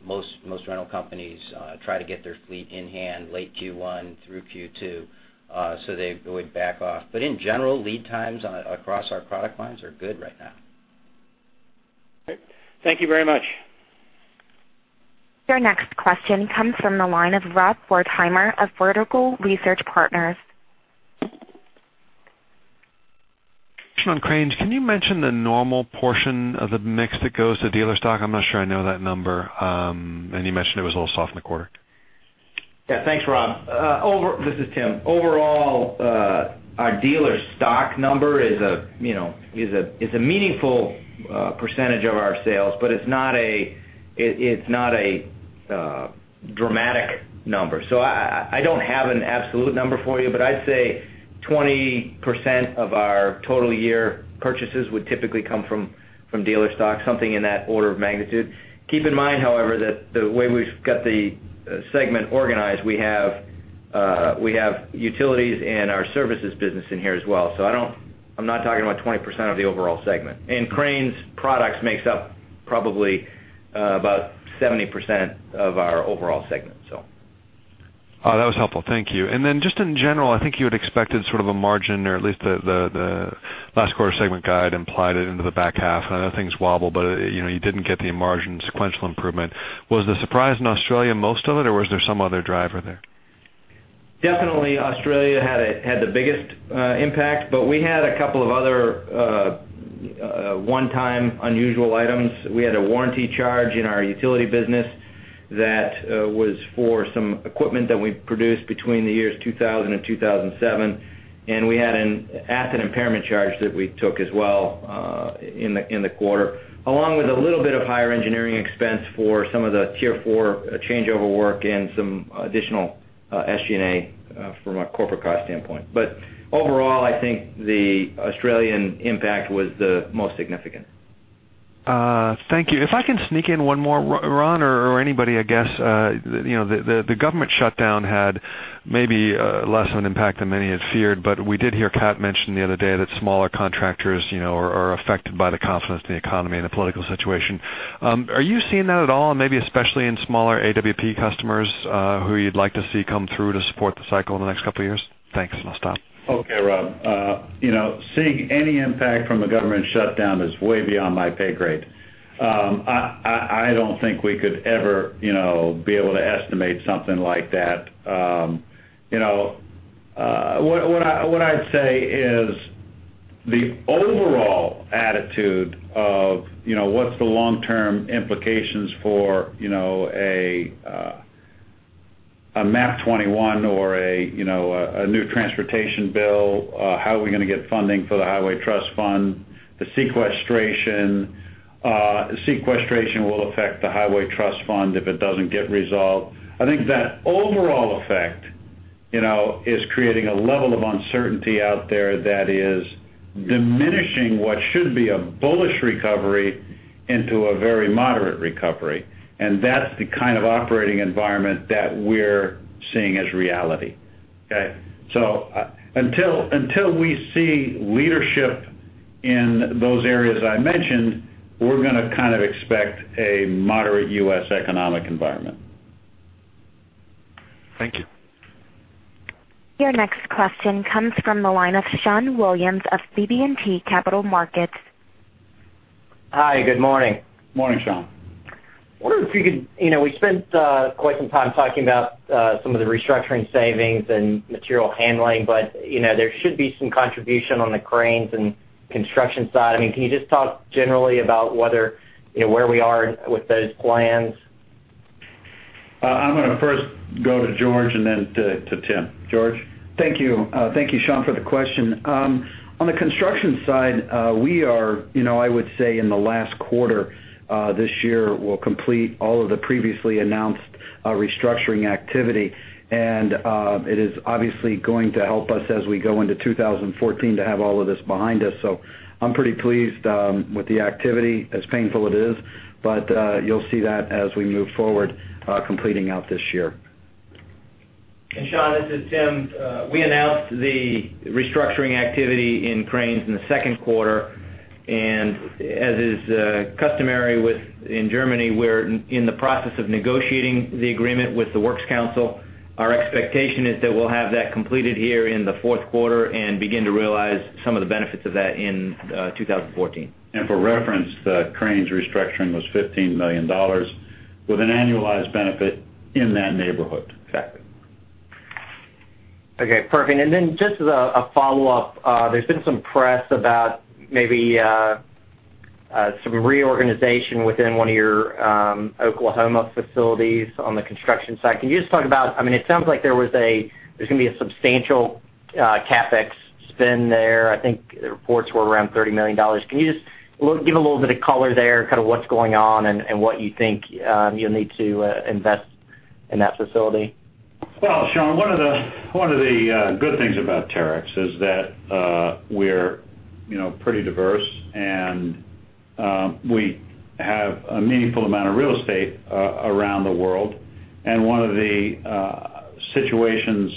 Most rental companies try to get their fleet in hand late Q1 through Q2, they would back off. In general, lead times across our product lines are good right now. Great. Thank you very much. Your next question comes from the line of Rob Wertheimer of Vertical Research Partners. On cranes, can you mention the normal portion of the mix that goes to dealer stock? I'm not sure I know that number. You mentioned it was a little soft in the quarter. Yeah. Thanks, Rob. This is Tim. Overall, our dealer stock number is a meaningful percentage of our sales, but it's not a dramatic number. I don't have an absolute number for you, but I'd say 20% of our total year purchases would typically come from dealer stock, something in that order of magnitude. Keep in mind, however, that the way we've got the segment organized, we have utilities and our services business in here as well. I'm not talking about 20% of the overall segment. Cranes products makes up probably about 70% of our overall segment. That was helpful. Thank you. Just in general, I think you had expected sort of a margin or at least the last quarter segment guide implied it into the back half, and I know things wobble, but you didn't get the margin sequential improvement. Was the surprise in Australia most of it or was there some other driver there? Definitely Australia had the biggest impact, but we had a couple of other one-time unusual items. We had a warranty charge in our utility business that was for some equipment that we produced between the years 2000 and 2007. We had an asset impairment charge that we took as well in the quarter, along with a little bit of higher engineering expense for some of the Tier 4 changeover work and some additional SG&A from a corporate cost standpoint. Overall, I think the Australian impact was the most significant. Thank you. If I can sneak in one more, Ron or anybody, I guess. The government shutdown had maybe less of an impact than many had feared. We did hear Cat mention the other day that smaller contractors are affected by the confidence in the economy and the political situation. Are you seeing that at all? Maybe especially in smaller AWP customers who you'd like to see come through to support the cycle in the next couple of years? Thanks. I'll stop. Okay, Rob. Seeing any impact from a government shutdown is way beyond my pay grade. I don't think we could ever be able to estimate something like that. What I'd say is the overall attitude of what's the long-term implications for a MAP-21 or a new transportation bill, how are we going to get funding for the Highway Trust Fund? The sequestration will affect the Highway Trust Fund if it doesn't get resolved. I think that overall effect is creating a level of uncertainty out there that is diminishing what should be a bullish recovery into a very moderate recovery, and that's the kind of operating environment that we're seeing as reality. Okay? Until we see leadership in those areas I mentioned, we're going to kind of expect a moderate U.S. economic environment. Thank you. Your next question comes from the line of Sean Williams of BB&T Capital Markets. Hi, good morning. Morning, Sean. We spent quite some time talking about some of the restructuring savings and material handling, there should be some contribution on the cranes and construction side. Can you just talk generally about where we are with those plans? I'm going to first go to George and then to Tim. George? Thank you. Thank you, Sean, for the question. On the construction side, we are, I would say in the last quarter this year, we'll complete all of the previously announced restructuring activity. It is obviously going to help us as we go into 2014 to have all of this behind us. I'm pretty pleased with the activity as painful it is, you'll see that as we move forward, completing out this year. Sean, this is Tim. We announced the restructuring activity in cranes in the second quarter. As is customary in Germany, we're in the process of negotiating the agreement with the works council. Our expectation is that we'll have that completed here in the fourth quarter and begin to realize some of the benefits of that in 2014. For reference, the cranes restructuring was $15 million with an annualized benefit in that neighborhood. Exactly. Okay, perfect. Just as a follow-up, there's been some press about maybe some reorganization within one of your Oklahoma facilities on the construction site. Can you just talk about, it sounds like there's going to be a substantial CapEx spend there. I think the reports were around $30 million. Can you just give a little bit of color there, kind of what's going on and what you think you'll need to invest in that facility? Well, Sean, one of the good things about Terex is that we're pretty diverse. We have a meaningful amount of real estate around the world. One of the situations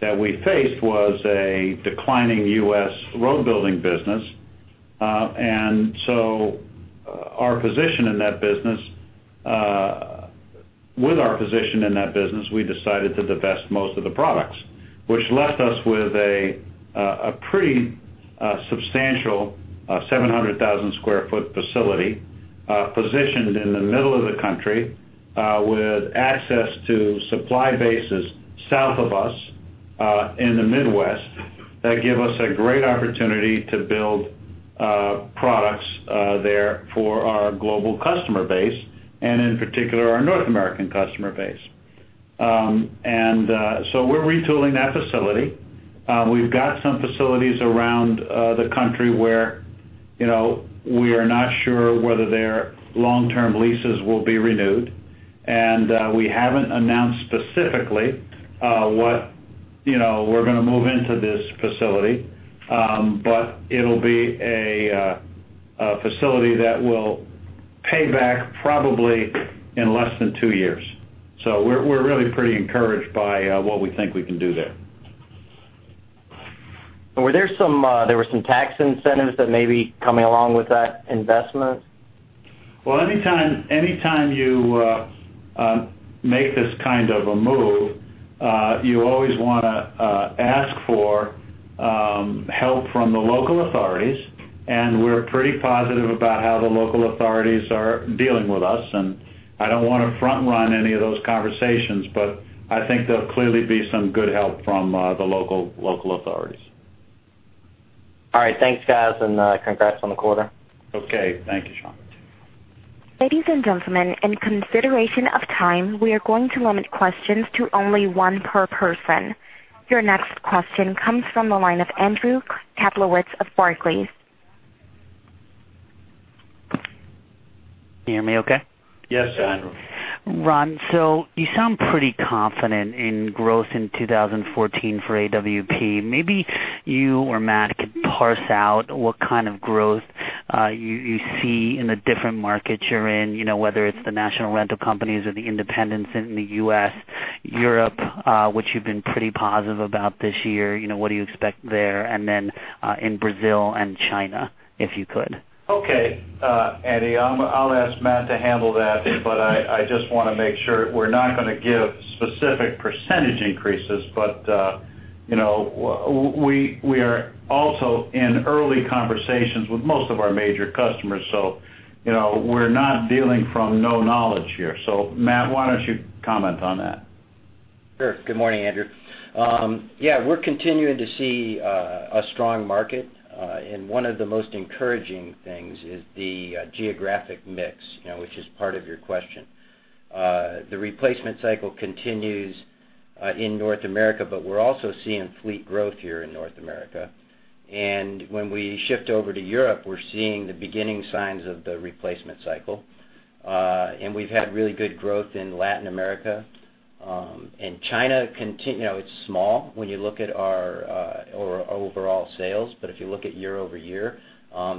that we faced was a declining U.S. road building business. With our position in that business, we decided to divest most of the products. Which left us with a pretty substantial 700,000 sq ft facility positioned in the middle of the country with access to supply bases south of us in the Midwest that give us a great opportunity to build products there for our global customer base and in particular, our North American customer base. We're retooling that facility. We've got some facilities around the country where we are not sure whether their long-term leases will be renewed. We haven't announced specifically what we're going to move into this facility. It'll be a facility that will pay back probably in less than two years. We're really pretty encouraged by what we think we can do there. Were there some tax incentives that may be coming along with that investment? Well, anytime you make this kind of a move, you always want to ask for help from the local authorities, and we're pretty positive about how the local authorities are dealing with us, and I don't want to front-run any of those conversations, but I think there'll clearly be some good help from the local authorities. All right. Thanks, guys, and congrats on the quarter. Okay. Thank you, Sean. Ladies and gentlemen, in consideration of time, we are going to limit questions to only one per person. Your next question comes from the line of Andrew Kaplowitz of Barclays. Can you hear me okay? Yes, Andrew. Ron, you sound pretty confident in growth in 2014 for AWP. Maybe you or Matt could parse out what kind of growth you see in the different markets you're in, whether it's the national rental companies or the independents in the U.S., Europe, which you've been pretty positive about this year, what do you expect there? In Brazil and China, if you could. Okay. Andy, I'll ask Matt to handle that, I just want to make sure we're not going to give specific percentage increases. We are also in early conversations with most of our major customers, we're not dealing from no knowledge here. Matt, why don't you comment on that? Sure. Good morning, Andrew. Yeah, we're continuing to see a strong market. One of the most encouraging things is the geographic mix, which is part of your question. The replacement cycle continues in North America, we're also seeing fleet growth here in North America. When we shift over to Europe, we're seeing the beginning signs of the replacement cycle. We've had really good growth in Latin America. China, it's small when you look at our overall sales, if you look at year-over-year,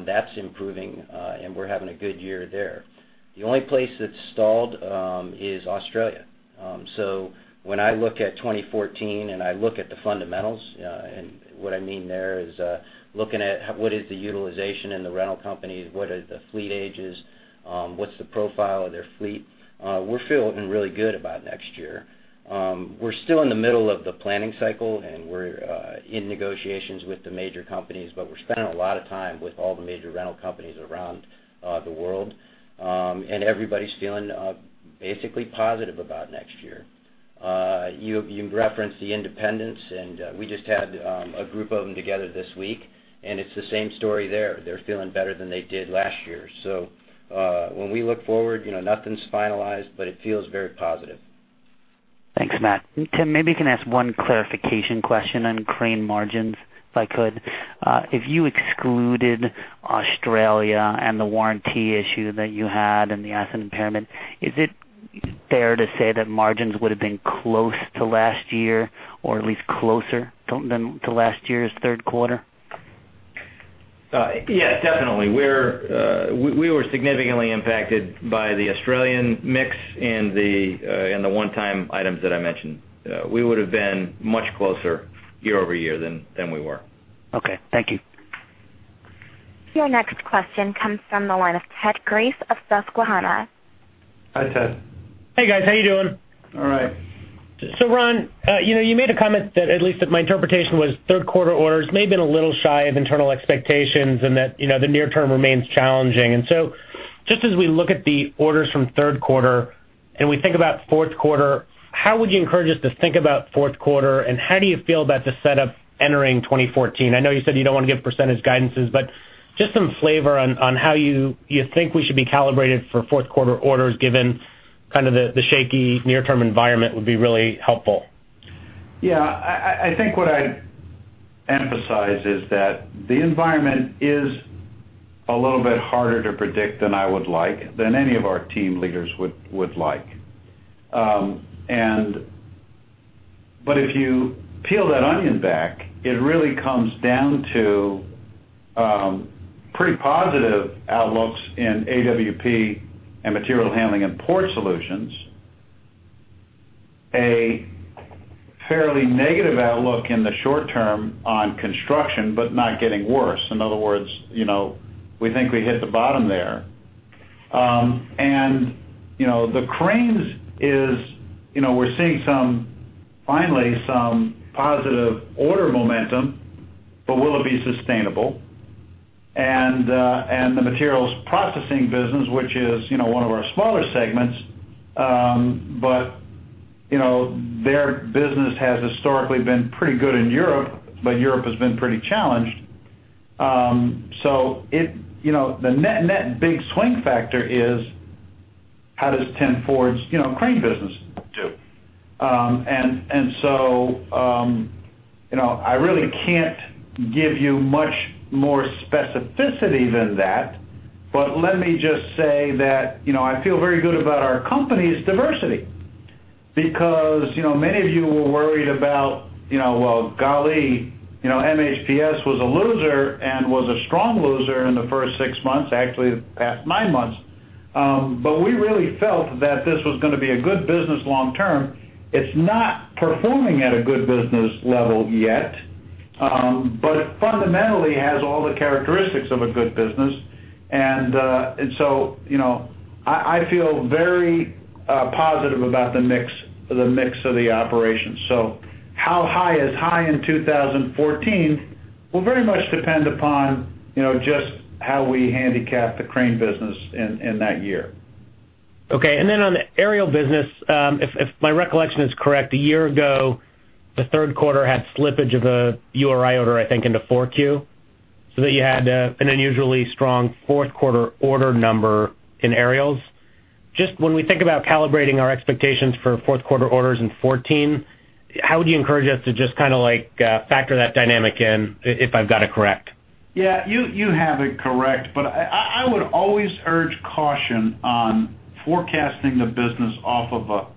that's improving, and we're having a good year there. The only place that's stalled is Australia. When I look at 2014, I look at the fundamentals, what I mean there is looking at what is the utilization in the rental companies, what are the fleet ages, what's the profile of their fleet, we're feeling really good about next year. We're still in the middle of the planning cycle, we're in negotiations with the major companies, we're spending a lot of time with all the major rental companies around the world. Everybody's feeling basically positive about next year. You referenced the independents, we just had a group of them together this week, it's the same story there. They're feeling better than they did last year. When we look forward, nothing's finalized, it feels very positive. Thanks, Matt. Tim, maybe can I ask one clarification question on crane margins, if I could? If you excluded Australia and the warranty issue that you had and the asset impairment, is it fair to say that margins would have been close to last year or at least closer to last year's third quarter? Yeah, definitely. We were significantly impacted by the Australian mix and the one-time items that I mentioned. We would have been much closer year-over-year than we were. Okay. Thank you. Your next question comes from the line of Ted Grace of Susquehanna. Hi, Ted. Hey, guys. How you doing? All right. Ron, you made a comment that, at least that my interpretation was, third quarter orders may have been a little shy of internal expectations and that the near term remains challenging. Just as we look at the orders from third quarter and we think about fourth quarter, how would you encourage us to think about fourth quarter, and how do you feel about the setup entering 2014? I know you said you don't want to give percentage guidances, but just some flavor on how you think we should be calibrated for fourth quarter orders given kind of the shaky near-term environment would be really helpful. Yeah. I think what I'd emphasize is that the environment is a little bit harder to predict than I would like, than any of our team leaders would like. If you peel that onion back, it really comes down to pretty positive outlooks in AWP and Material Handling & Port Solutions, a fairly negative outlook in the short term on construction, but not getting worse. In other words, we think we hit the bottom there. The cranes is, we're seeing, finally, some positive order momentum, but will it be sustainable? The Materials Processing business, which is one of our smaller segments, their business has historically been pretty good in Europe, but Europe has been pretty challenged. The net-net big swing factor is how does Ford's crane business do? I really can't give you much more specificity than that. Let me just say that, I feel very good about our company's diversity because, many of you were worried about, "Well, golly, MHPS was a loser and was a strong loser in the first six months," actually the past nine months. We really felt that this was going to be a good business long term. It's not performing at a good business level yet, but it fundamentally has all the characteristics of a good business. I feel very positive about the mix of the operations. How high is high in 2014 will very much depend upon just how we handicap the crane business in that year. Okay. On the aerial business, if my recollection is correct, a year ago, the third quarter had slippage of a URI order, I think, into 4Q, so that you had an unusually strong fourth quarter order number in aerials. Just when we think about calibrating our expectations for fourth quarter orders in 2014, how would you encourage us to just kind of factor that dynamic in, if I've got it correct? Yeah, you have it correct. I would always urge caution on forecasting the business off of a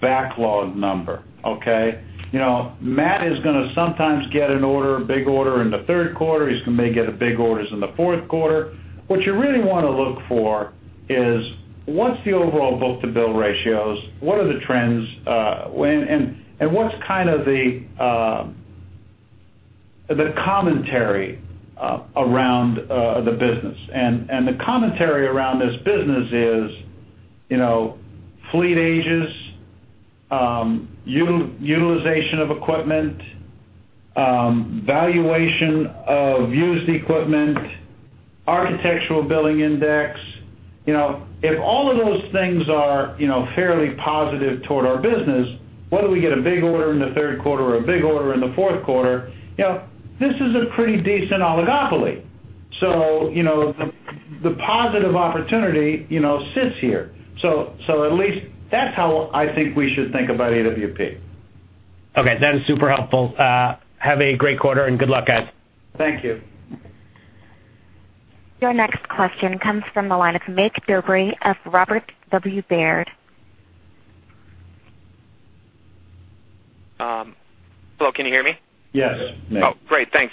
backlog number, okay? Matt is going to sometimes get an order, a big order, in the third quarter. He may get big orders in the fourth quarter. What you really want to look for is what's the overall book-to-bill ratios, what are the trends, and what's kind of the commentary around the business? The commentary around this business is fleet ages, utilization of equipment, valuation of used equipment, Architectural Billings Index. If all of those things are fairly positive toward our business, whether we get a big order in the third quarter or a big order in the fourth quarter, this is a pretty decent oligopoly. The positive opportunity sits here. At least that's how I think we should think about AWP. Okay. That is super helpful. Have a great quarter and good luck, guys. Thank you. Your next question comes from the line of Mig Dobre of Robert W. Baird. Hello, can you hear me? Yes. Yes. Oh, great. Thanks.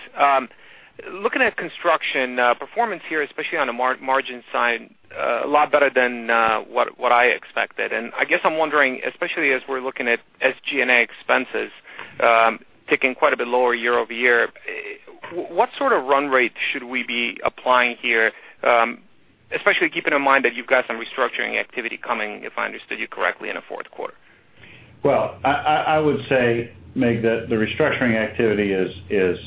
Looking at construction, performance here, especially on the margin side, a lot better than what I expected. I guess I'm wondering, especially as we're looking at SG&A expenses ticking quite a bit lower year-over-year, what sort of run rate should we be applying here? Especially keeping in mind that you've got some restructuring activity coming, if I understood you correctly, in the fourth quarter. Well, I would say, Mig, that the restructuring activity is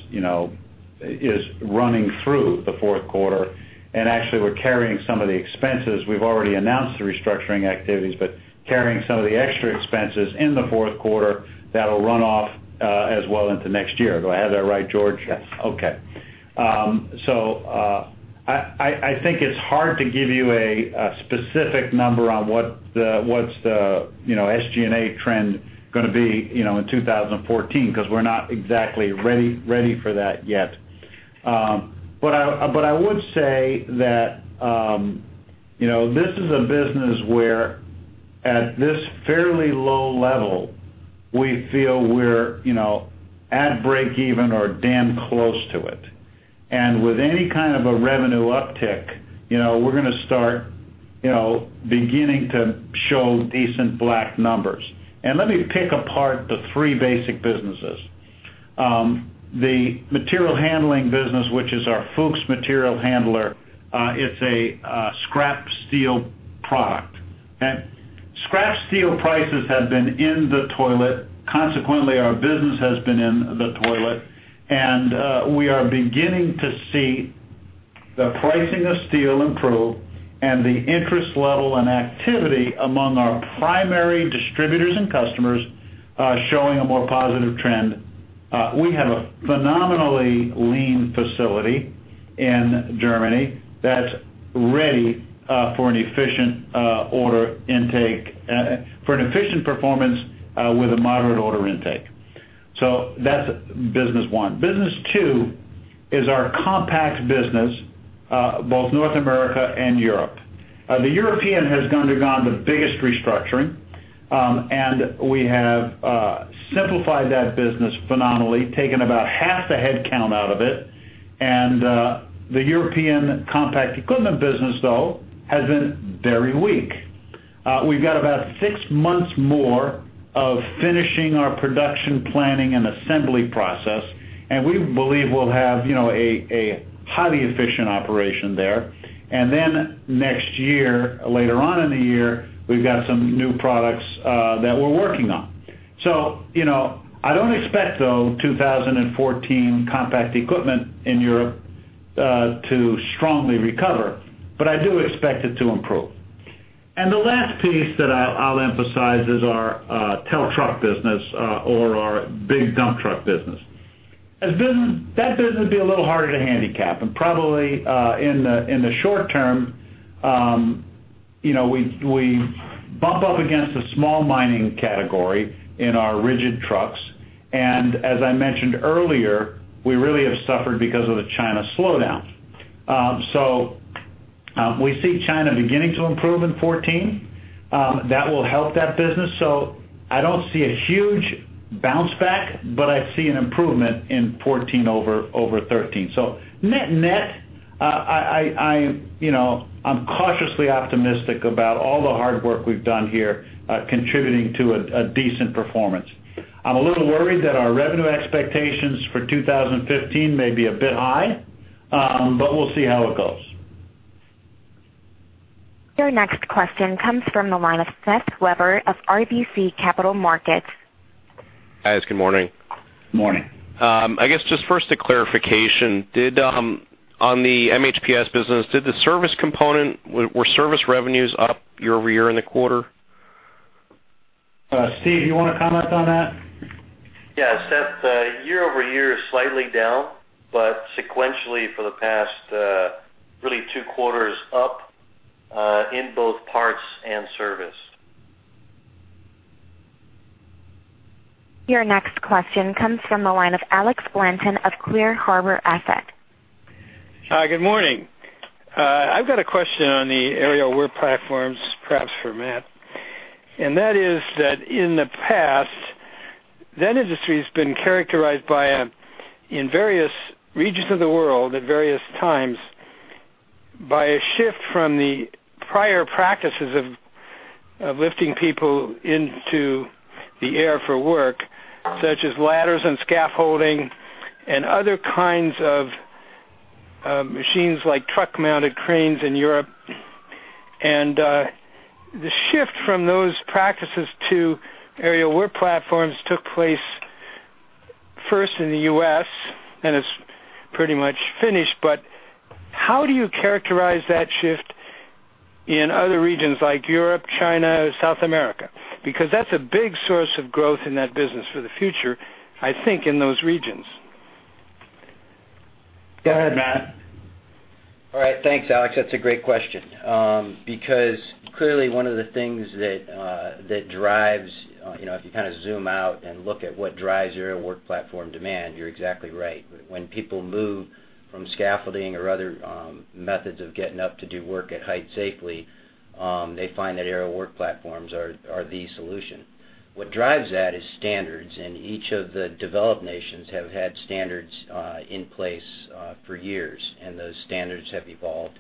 running through the fourth quarter, actually we're carrying some of the expenses. We've already announced the restructuring activities, but carrying some of the extra expenses in the fourth quarter that'll run off as well into next year. Do I have that right, George? Yes. Okay. I think it's hard to give you a specific number on what the SG&A trend going to be in 2014, because we're not exactly ready for that yet. I would say that, this is a business where at this fairly low level, we feel we're at breakeven or damn close to it. With any kind of a revenue uptick, we're going to start beginning to show decent black numbers. Let me pick apart the three basic businesses. The Material Handling business, which is our Fuchs material handler, it's a scrap steel product, okay? Scrap steel prices have been in the toilet. Consequently, our business has been in the toilet, we are beginning to see the pricing of steel improve and the interest level and activity among our primary distributors and customers showing a more positive trend. We have a phenomenally lean facility in Germany that's ready for an efficient performance with a moderate order intake. That's business one. Business two is our compact business, both North America and Europe. The European has undergone the biggest restructuring. We have simplified that business phenomenally, taken about half the headcount out of it. The European compact equipment business, though, has been very weak. We've got about six months more of finishing our production planning and assembly process, we believe we'll have a highly efficient operation there. Then next year, later on in the year, we've got some new products that we're working on. I don't expect, though, 2014 compact equipment in Europe to strongly recover, but I do expect it to improve. The last piece that I'll emphasize is our [articulated truck] business, or our big dump truck business. That business will be a little harder to handicap. Probably, in the short term, we bump up against a small mining category in our rigid trucks, as I mentioned earlier, we really have suffered because of the China slowdown. We see China beginning to improve in 2014. That will help that business. I don't see a huge bounce back, but I see an improvement in 2014 over 2013. Net-net, I'm cautiously optimistic about all the hard work we've done here contributing to a decent performance. I'm a little worried that our revenue expectations for 2015 may be a bit high, but we'll see how it goes. Your next question comes from the line of Seth Weber of RBC Capital Markets. Guys, good morning. Morning. I guess just first a clarification. On the MHPS business, did the service component, were service revenues up year-over-year in the quarter? Steve, you want to comment on that? Yes, Seth, year-over-year is slightly down, but sequentially for the past, really two quarters up, in both parts and service. Your next question comes from the line of Alex Blanton of Clear Harbor Asset. Hi, good morning. I've got a question on the Aerial Work Platforms, perhaps for Matt, that is that in the past, that industry has been characterized by, in various regions of the world at various times, by a shift from the prior practices of lifting people into the air for work, such as ladders and scaffolding and other kinds of machines like truck-mounted cranes in Europe. The shift from those practices to Aerial Work Platforms took place first in the U.S., and it's pretty much finished, but how do you characterize that shift in other regions like Europe, China, South America? That's a big source of growth in that business for the future, I think, in those regions. Go ahead, Matt. All right. Thanks, Alex. That's a great question. Clearly one of the things that drives, if you kind of zoom out and look at what drives aerial work platform demand, you're exactly right. When people move from scaffolding or other methods of getting up to do work at height safely, they find that aerial work platforms are the solution. What drives that is standards, each of the developed nations have had standards in place for years, and those standards have evolved.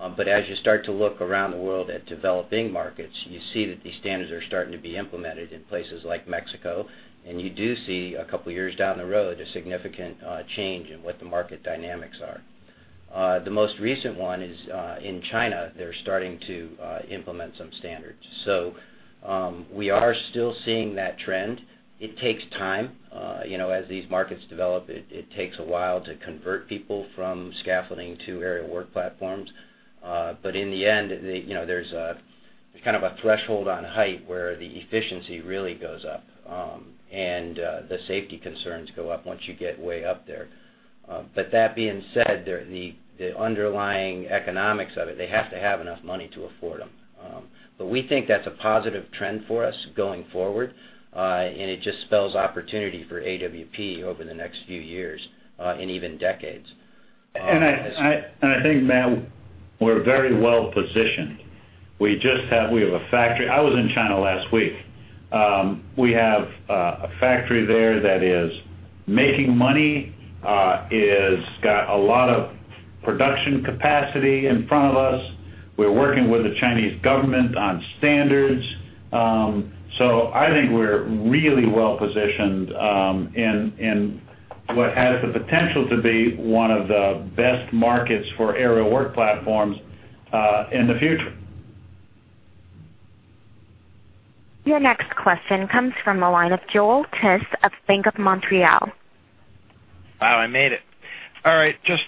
As you start to look around the world at developing markets, you see that these standards are starting to be implemented in places like Mexico, you do see a couple years down the road, a significant change in what the market dynamics are. The most recent one is in China. They're starting to implement some standards. We are still seeing that trend. It takes time. As these markets develop, it takes a while to convert people from scaffolding to aerial work platforms. In the end, there's kind of a threshold on height where the efficiency really goes up. The safety concerns go up once you get way up there. That being said, the underlying economics of it, they have to have enough money to afford them. We think that's a positive trend for us going forward, it just spells opportunity for AWP over the next few years, and even decades. I think, Matt, we're very well-positioned. I was in China last week. We have a factory there that is making money, it's got a lot of production capacity in front of us. We're working with the Chinese government on standards. I think we're really well-positioned in what has the potential to be one of the best markets for aerial work platforms in the future. Your next question comes from the line of Joel Tiss of Bank of Montreal. Wow, I made it. All right. Just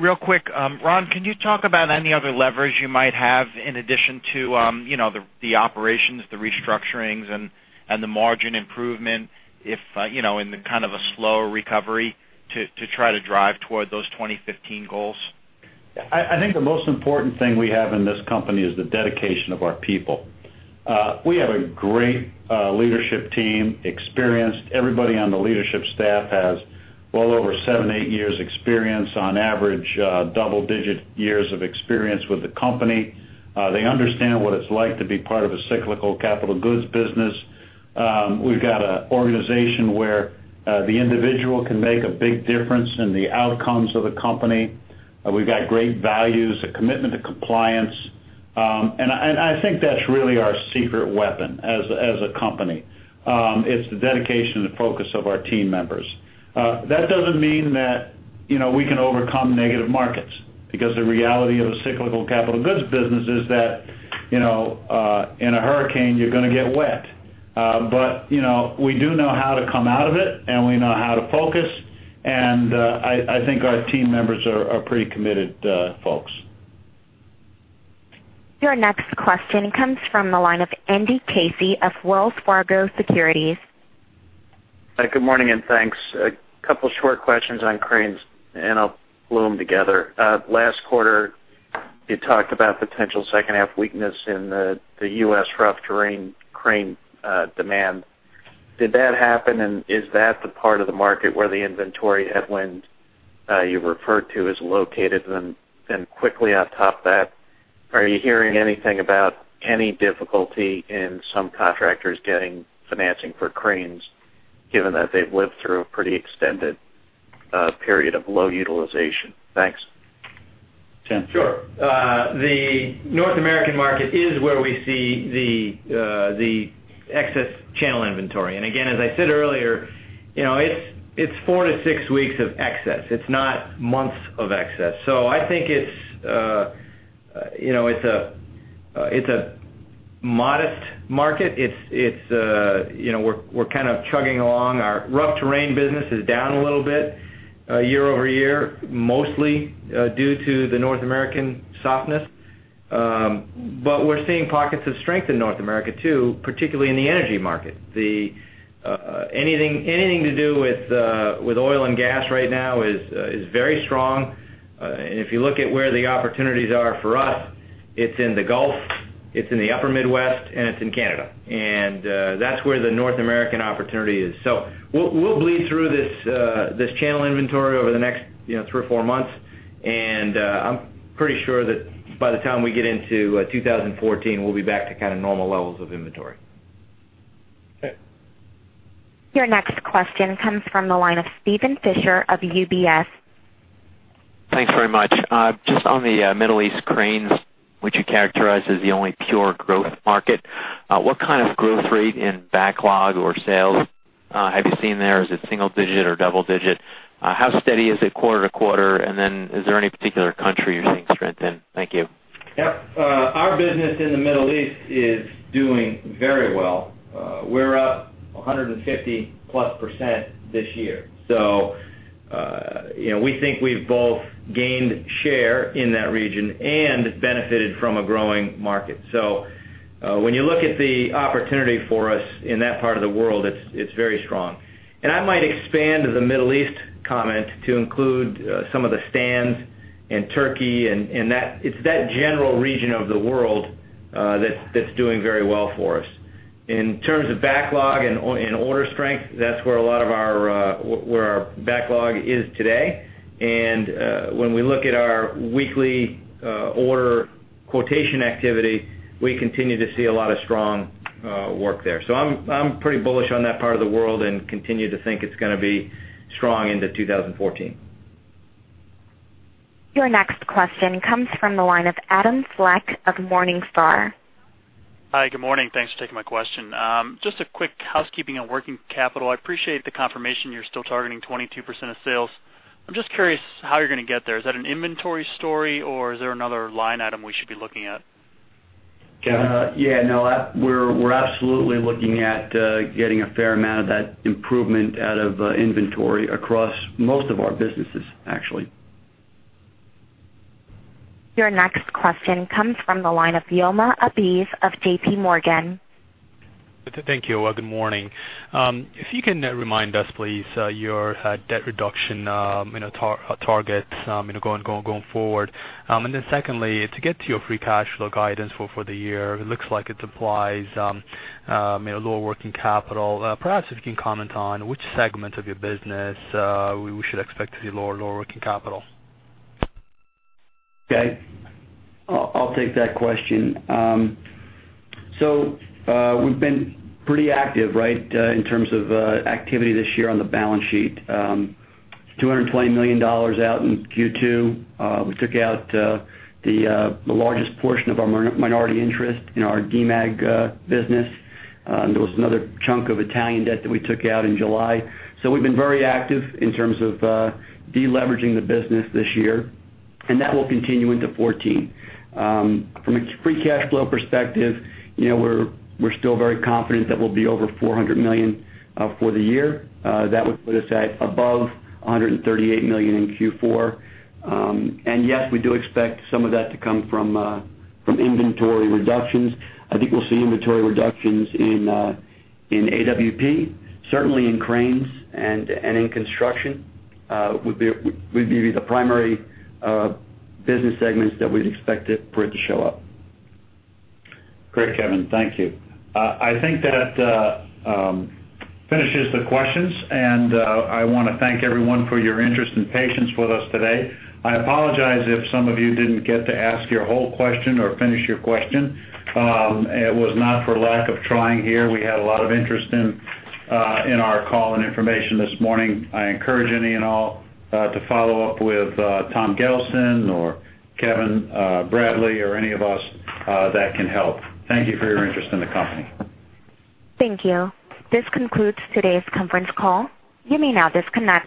real quick, Ron, can you talk about any other levers you might have in addition to the operations, the restructurings and the margin improvement in the kind of a slow recovery to try to drive toward those 2015 goals? I think the most important thing we have in this company is the dedication of our people. We have a great leadership team, experienced. Everybody on the leadership staff has well over seven, eight years experience on average, double digit years of experience with the company. They understand what it's like to be part of a cyclical capital goods business. We've got an organization where the individual can make a big difference in the outcomes of the company. We've got great values, a commitment to compliance. I think that's really our secret weapon as a company. It's the dedication and the focus of our team members. That doesn't mean that we can overcome negative markets because the reality of a cyclical capital goods business is that, in a hurricane, you're going to get wet. We do know how to come out of it, and we know how to focus. I think our team members are pretty committed folks. Your next question comes from the line of Andrew Casey of Wells Fargo Securities. Hi, good morning and thanks. A couple short questions on cranes, and I'll lump them together. Last quarter, you talked about potential second half weakness in the U.S. rough terrain crane demand. Did that happen, and is that the part of the market where the inventory headwinds you referred to is located? Quickly on top of that, are you hearing anything about any difficulty in some contractors getting financing for cranes, given that they've lived through a pretty extended period of low utilization? Thanks. Tim. Sure. The North American market is where we see the excess channel inventory. Again, as I said earlier, it's four to six weeks of excess. It's not months of excess. I think it's a modest market. We're kind of chugging along. Our rough terrain business is down a little bit year-over-year, mostly due to the North American softness. We're seeing pockets of strength in North America too, particularly in the energy market. Anything to do with oil and gas right now is very strong. If you look at where the opportunities are for us, it's in the Gulf, it's in the upper Midwest, and it's in Canada. That's where the North American opportunity is. We'll bleed through this channel inventory over the next three or four months, and I'm pretty sure that by the time we get into 2014, we'll be back to kind of normal levels of inventory. Okay. Your next question comes from the line of Steven Fisher of UBS. Thanks very much. Just on the Middle East cranes, which you characterize as the only pure growth market, what kind of growth rate in backlog or sales have you seen there? Is it single digit or double digit? How steady is it quarter-to-quarter? Then is there any particular country you're seeing strength in? Thank you. Yep. Our business in the Middle East is doing very well. We're up 150%+ this year. We think we've both gained share in that region and benefited from a growing market. When you look at the opportunity for us in that part of the world, it's very strong. I might expand the Middle East comment to include some of the Stans and Turkey and it's that general region of the world that's doing very well for us. In terms of backlog and order strength, that's where our backlog is today. When we look at our weekly order quotation activity, we continue to see a lot of strong work there. I'm pretty bullish on that part of the world and continue to think it's going to be strong into 2014. Your next question comes from the line of Adam Fleck of Morningstar. Hi, good morning. Thanks for taking my question. Just a quick housekeeping on working capital. I appreciate the confirmation you're still targeting 22% of sales. I'm just curious how you're going to get there. Is that an inventory story or is there another line item we should be looking at? Kevin? Yeah, no, we're absolutely looking at getting a fair amount of that improvement out of inventory across most of our businesses, actually. Your next question comes from the line of Yoma Abiz of JPMorgan. Thank you. Good morning. If you can remind us, please, your debt reduction targets going forward. Secondly, to get to your free cash flow guidance for the year, it looks like it implies lower working capital. Perhaps if you can comment on which segment of your business we should expect to see lower working capital. Okay. I'll take that question. We've been pretty active, right, in terms of activity this year on the balance sheet. $220 million out in Q2. We took out the largest portion of our minority interest in our Demag business. There was another chunk of Italian debt that we took out in July. We've been very active in terms of de-leveraging the business this year, and that will continue into 2014. From a free cash flow perspective, we're still very confident that we'll be over $400 million for the year. That would put us at above $138 million in Q4. Yes, we do expect some of that to come from inventory reductions. I think we'll see inventory reductions in AWP, certainly in Cranes and in Construction, would be the primary business segments that we'd expect it for it to show up. Great, Kevin. Thank you. I think that finishes the questions. I want to thank everyone for your interest and patience with us today. I apologize if some of you didn't get to ask your whole question or finish your question. It was not for lack of trying here. We had a lot of interest in our call and information this morning. I encourage any and all to follow up with Tom Gelston or Kevin Bradley or any of us that can help. Thank you for your interest in the company. Thank you. This concludes today's conference call. You may now disconnect.